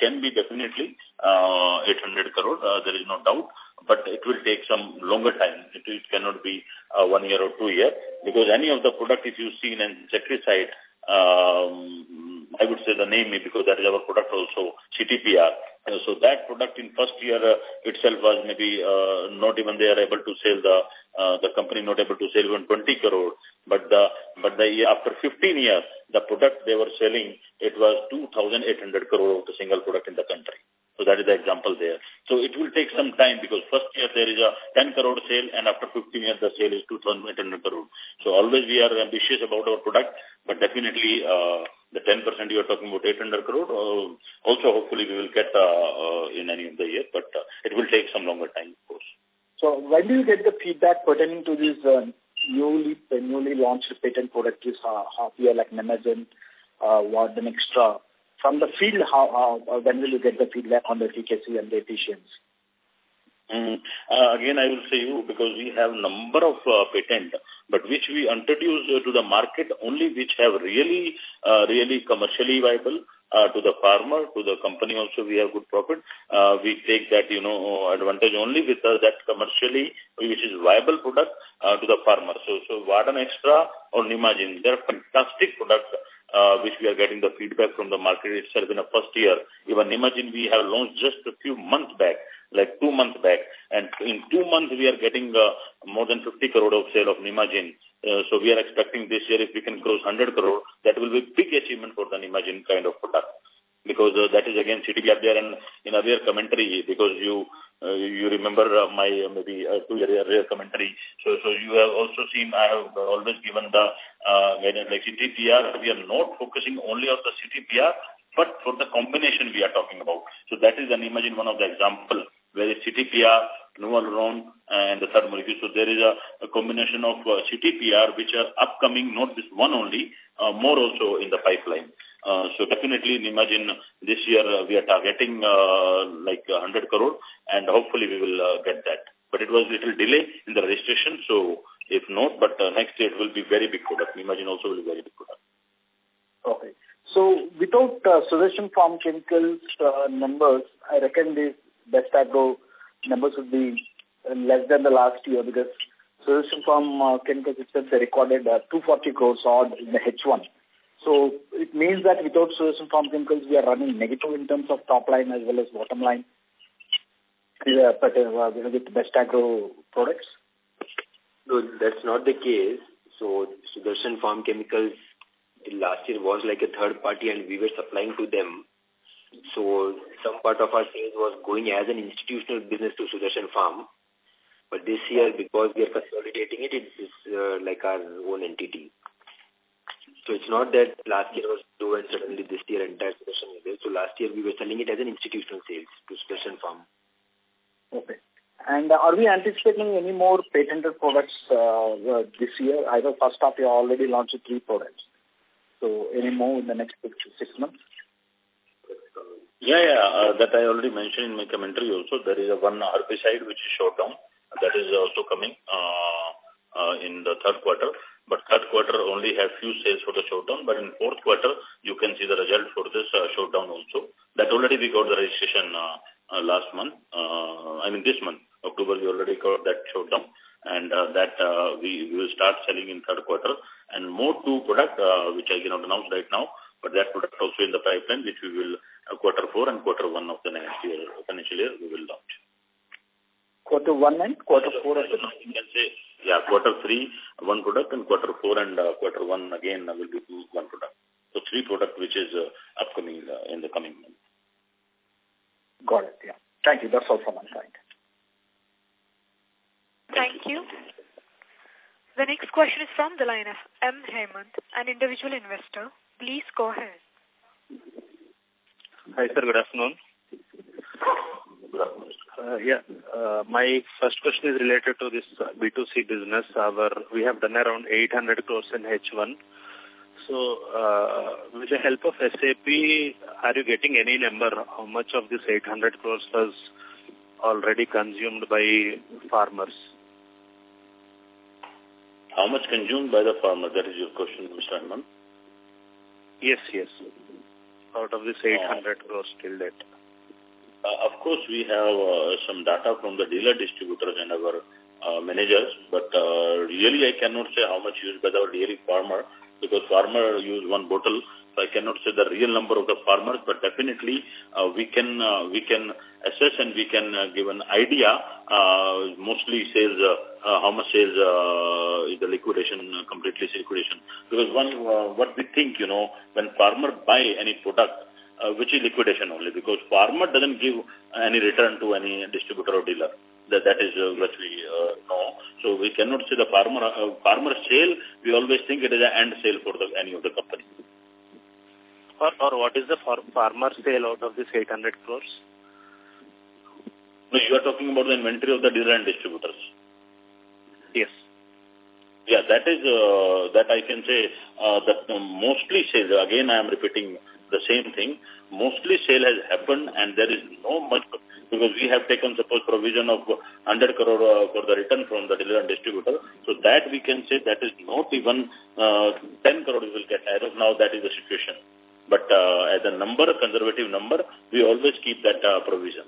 can be definitely 800 crore. There is no doubt, but it will take some longer time. It cannot be 1 year or 2 year. Because any of the product, if you've seen in insecticide, I would say the name, because that is our product also, CTPR. So that product in first year itself was maybe not even they are able to sell the, the company not able to sell even 20 crore. But after 15 years, the product they were selling, it was 2,800 crore, the single product in the country. So that is the example there. So it will take some time, because first year there is a 10 crore sale, and after 15 years, the sale is 2,800 crore. So always we are ambitious about our product, but definitely, the 10% you are talking about, 800 crore, also hopefully we will get in any of the year, but it will take some longer time, of course. When do you get the feedback pertaining to these newly the newly launched patent products this half year, like Nemagen, Warden Extra? From the field, how when will you get the feedback on the efficacy and the efficiency? Again, I will say you, because we have number of patent, but which we introduce to the market only which have really really commercially viable to the farmer, to the company also, we have good profit. We take that, you know, advantage only with that commercially, which is viable product to the farmer. So Warden Extra or Nemagen, they're fantastic products, which we are getting the feedback from the market itself in the first year. Even Nemagen, we have launched just a few months back, like two months back, and in two months we are getting more than 50 crore of sale of Nemagen. So we are expecting this year, if we can close 100 crore, that will be big achievement for the Nemagen kind of product. Because that is again, CTPR there in our commentary, because you, you remember, my maybe, earlier commentary. So you have also seen, I have always given the, like CTPR, we are not focusing only on the CTPR, but for the combination we are talking about. So that is a Nemagen, one of the example, where CTPR, Novaluron, and the third molecule. So there is a combination of, CTPR, which are upcoming, not this one only, more also in the pipeline. So definitely, Nemagen, this year, we are targeting, like 100 crore, and hopefully we will get that, but it was little delay in the registration, so if not, but, next year it will be very big product. Nemagen also will be very big product. Okay. So without Sudarshan Farm Chemicals numbers, I reckon the Best Agrolife numbers would be less than the last year because Sudarshan Farm Chemicals itself they recorded 240 crores odd in the H1. So it means that without Sudarshan Farm Chemicals, we are running negative in terms of top line as well as bottom line. Yeah, but with the Best Agrolife products? No, that's not the case. So Sudarshan Farm Chemicals, last year was like a third party and we were supplying to them. So some part of our sales was going as an institutional business to Sudarshan Farm. But this year, because we are consolidating it, it is like our own entity. So it's not that last year was low and suddenly this year entire situation is there. So last year we were selling it as an institutional sales to Sudarshan Farm. Okay. And are we anticipating any more patented products this year? I know first half, you already launched three products. So any more in the next six months? Yeah, yeah. That I already mentioned in my commentary also. There is one herbicide which is Shot Down. That is also coming in the third quarter. But third quarter only have few sales for the Shot Down, but in fourth quarter, you can see the result for this Shot Down also. That already we got the registration last month, I mean this month, October, we already got that Shot Down, and that we will start selling in third quarter. And more two product which I cannot announce right now, but that product also in the pipeline, which we will quarter four and quarter one of the next year, financial year, we will launch. Quarter one and quarter four of the- You can say, yeah, quarter three, one product, and quarter four and, quarter one again, will be two, one product. So three product, which is, upcoming in the coming month. Got it. Yeah. Thank you. That's all from my side. Thank you. The next question is from the line of M. Hemant, an individual investor. Please go ahead. Hi, sir. Good afternoon. My first question is related to this B2C business. We have done around 800 crores in H1. With the help of SAP, are you getting any number, how much of this 800 crores was already consumed by farmers? How much consumed by the farmer, that is your question, Mr. Hemant? Yes, yes. Out of this 800 crores till date. Of course, we have some data from the dealer distributors and our managers, but really, I cannot say how much used by our daily farmer, because farmer use one bottle, so I cannot say the real number of the farmers. But definitely, we can assess and we can give an idea, mostly sales, how much sales is the liquidation, completely is liquidation. Because what we think, you know, when farmer buy any product, which is liquidation only, because farmer doesn't give any return to any distributor or dealer. That is what we know. So we cannot say the farmer sale, we always think it is a end sale for the any other company. What is the farmer sale out of this 800 crores? No, you are talking about the inventory of the dealer and distributors. Yes. Yeah, that is that I can say that mostly sales. Again, I am repeating the same thing, mostly sale has happened, and there is not much because we have taken, suppose, provision of 100 crore for the return from the dealer and distributor. So that we can say that is not even 10 crore we will get. As of now, that is the situation, but as a number, conservative number, we always keep that provision.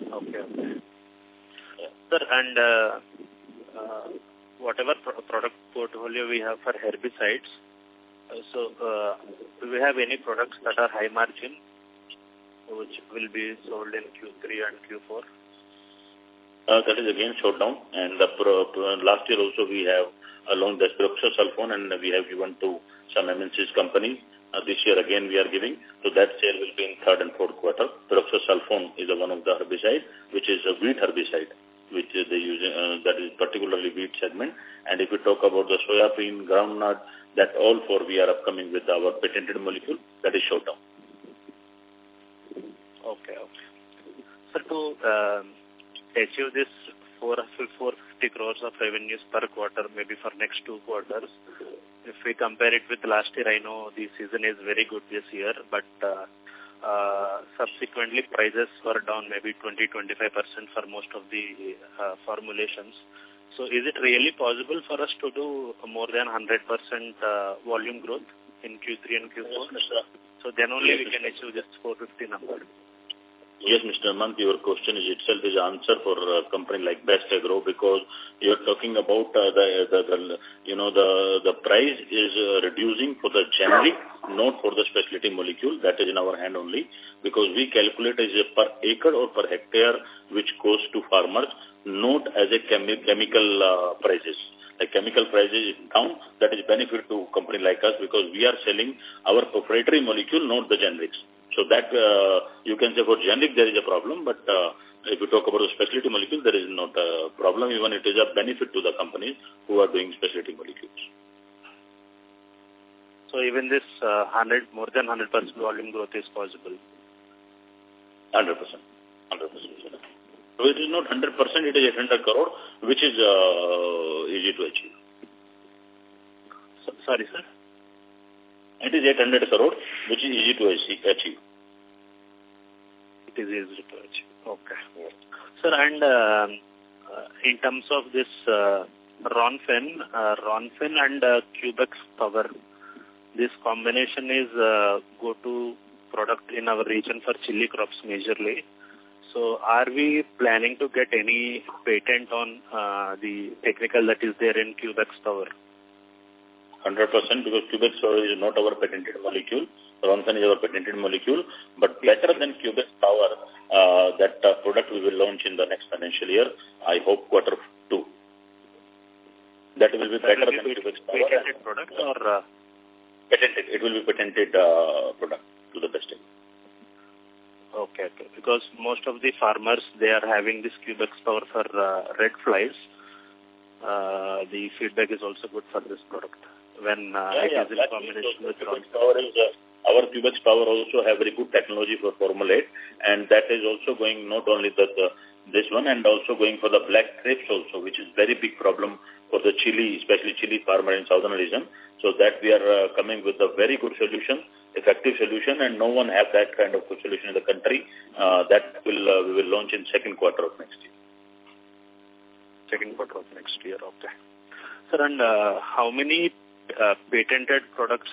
Okay. Sir, and whatever product portfolio we have for herbicides, so, do we have any products that are high margin, which will be sold in Q3 and Q4? That is again, Shot Down. Last year also, we have a long pyroxasulfone, and we have given to some MNCs company. This year again, we are giving. So that sale will be in third and fourth quarter. yroxasulfone is one of the herbicide, which is a wheat herbicide, which is the user, that is particularly whead segment. And if you talk about the soybean, groundnut, that all four we are upcoming with our patented molecule, that is Shot Down. Okay, okay. So to achieve this 400 up to 450 crores of revenues per quarter, maybe for next two quarters, if we compare it with last year, I know the season is very good this year, but subsequently, prices were down maybe 20%-25% for most of the formulations. So is it really possible for us to do more than 100% volume growth in Q3 and Q4? So then only we can achieve this 450 number. Yes, Mr. Hemant, your question is itself the answer for a company like Best Agrolife, because you're talking about the, you know, the price is reducing for the generic, not for the specialty molecule. That is in our hand only. Because we calculate as per acre or per hectare, which goes to farmers, not as chemical prices. The chemical prices come, that is benefit to company like us, because we are selling our proprietary molecule, not the generics. So that you can say for generic, there is a problem, but if you talk about the specialty molecule, there is not a problem. Even it is a benefit to the company who are doing specialty molecules. So even this, more than 100% volume growth is possible? 100%. 100%. So it is not, which is easy to achieve. It is easy to achieve. Okay. Sir, and in terms of this Ronfen and Kubex Power, this combination is go-to product in our region for chili crops majorly. So are we planning to get any patent on the technical that is there in Kubex Power? Kubex Power, that product we will launch in the next financial year, I hope quarter two. That will be better than Kubex Power. Patented product or, Patented. It will be patented, product to the best. Okay, okay. Because most of the farmers, they are having this Kubex Power for red flies. The feedback is also good for this product. When- Yeah, yeah. It is in combination with- Cubax Power is, our Cubax Power also have very good technology for formulation, and that is also going not only that, this one, and also going for the black grapes also, which is very big problem for the chili, especially chili farmer in southern region. So that we are, coming with a very good solution, effective solution, and no one has that kind of good solution in the country. That will, we will launch in second quarter of next year. Second quarter of next year, okay. Sir, and how many patented products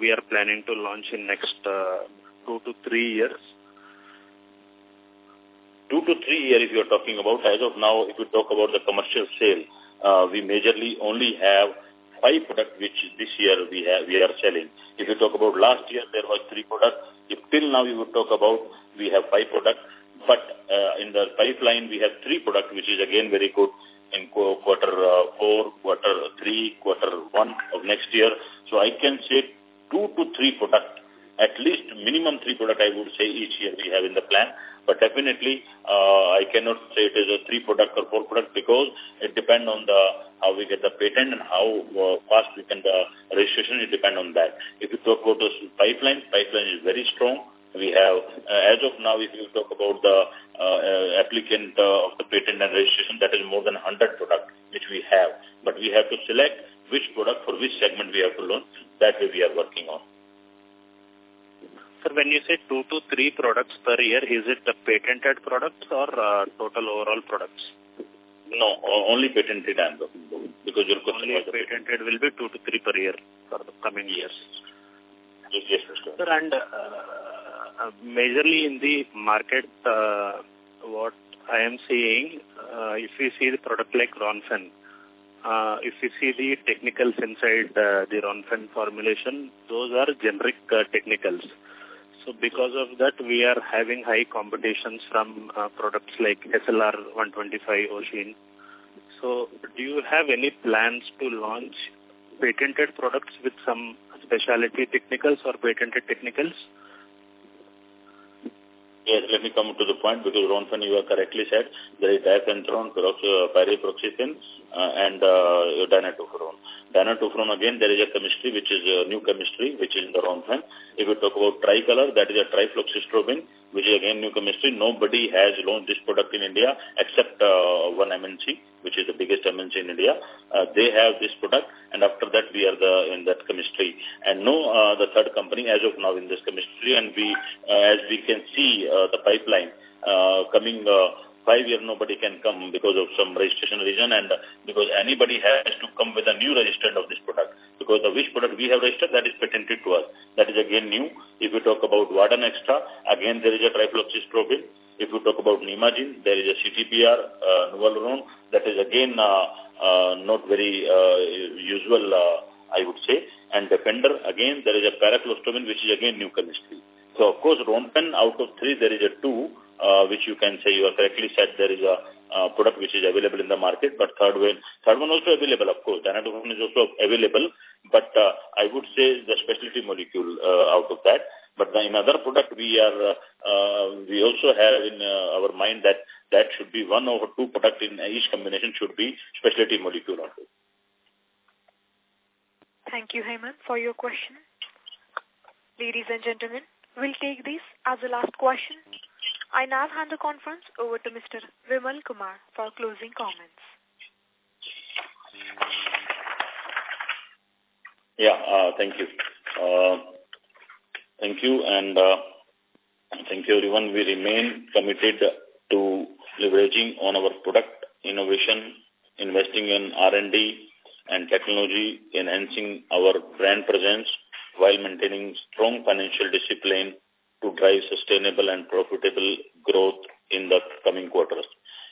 we are planning to launch in next two to three years? Two to three year, if you are talking about, as of now, if you talk about the commercial sale, we majorly only have five products, which this year we have, we are selling. If you talk about last year, there were three products. If till now you would talk about, we have five products, but, in the pipeline, we have three products, which is again, very good in quarter four, quarter three, quarter one of next year. So I can say two to three product, at least minimum three product, I would say each year we have in the plan. But definitely, I cannot say it is a three product or four product because it depend on the, how we get the patent and how, fast we can the registration, it depend on that. If you talk about those pipeline, pipeline is very strong. We have, as of now, if you talk about the applicant of the patent and registration, that is more than hundred product which we have. But we have to select which product for which segment we have to launch. That way we are working on. Sir, when you say two to three products per year, is it the patented products or total overall products? No, only patented, because you're questioning- Only patented will be two to three per year for the coming years. Yes, yes. Sir, and majorly in the market, what I am seeing, if you see the product like Ronfen, if you see the technicals inside the Ronfen formulation, those are generic technicals. So because of that, we are having high competitions from products like SLR 525, Osheen. So do you have any plans to launch patented products with some specialty technicals or patented technicals? Yes, let me come to the point, because Ronfen you have correctly said, there is diafenthiuron, there is pyriproxyfen, and dinotefuran. Dinotefuran, again, there is a chemistry, which is a new chemistry, which is in the Ronfen. If you talk about Tricolor, that is a trifloxystrobin, which is again, new chemistry. Nobody has launched this product in India, except one MNC, which is the biggest MNC in India. They have this product, and after that, we are the in that chemistry. And no, the third company as of now in this chemistry, and we, as we can see, the pipeline coming five year, nobody can come because of some registration reason, and because anybody has to come with a new registered of this product. Because of which product we have registered, that is patented to us. That is again, new. If you talk about Warden Extra, again, there is a trifloxystrobin. If you talk about Nemagen, there is a CTPR, novaluron, that is again, not very, I would say. And Defender, again, there is a pyriproxyfen, which is again, new chemistry. So of course, Ronfen, out of three, there is a two, which you can say you have correctly said there is a product which is available in the market, but third one, third one also available, of course, dinotefuran is also available, but, I would say the specialty molecule, out of that. But in other product, we are, we also have in our mind that that should be one or two product in each combination should be specialty molecule out of it. Thank you, Hemant, for your question. Ladies and gentlemen, we'll take this as the last question. I now hand the conference over to Mr. Vimal Kumar for closing comments. Yeah, thank you. Thank you, and, thank you, everyone. We remain committed to leveraging on our product innovation, investing in R&D and technology, enhancing our brand presence while maintaining strong financial discipline to drive sustainable and profitable growth in the coming quarters.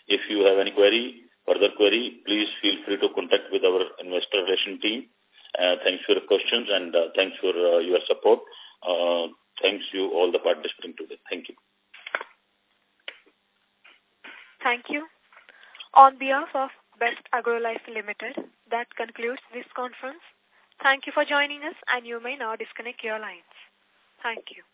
If you have any query, further query, please feel free to contact with our investor relation team. Thanks for your questions and, thanks for, your support. Thanks you all the participating today. Thank you. Thank you. On behalf of Best Agrolife Limited, that concludes this conference. Thank you for joining us, and you may now disconnect your lines. Thank you.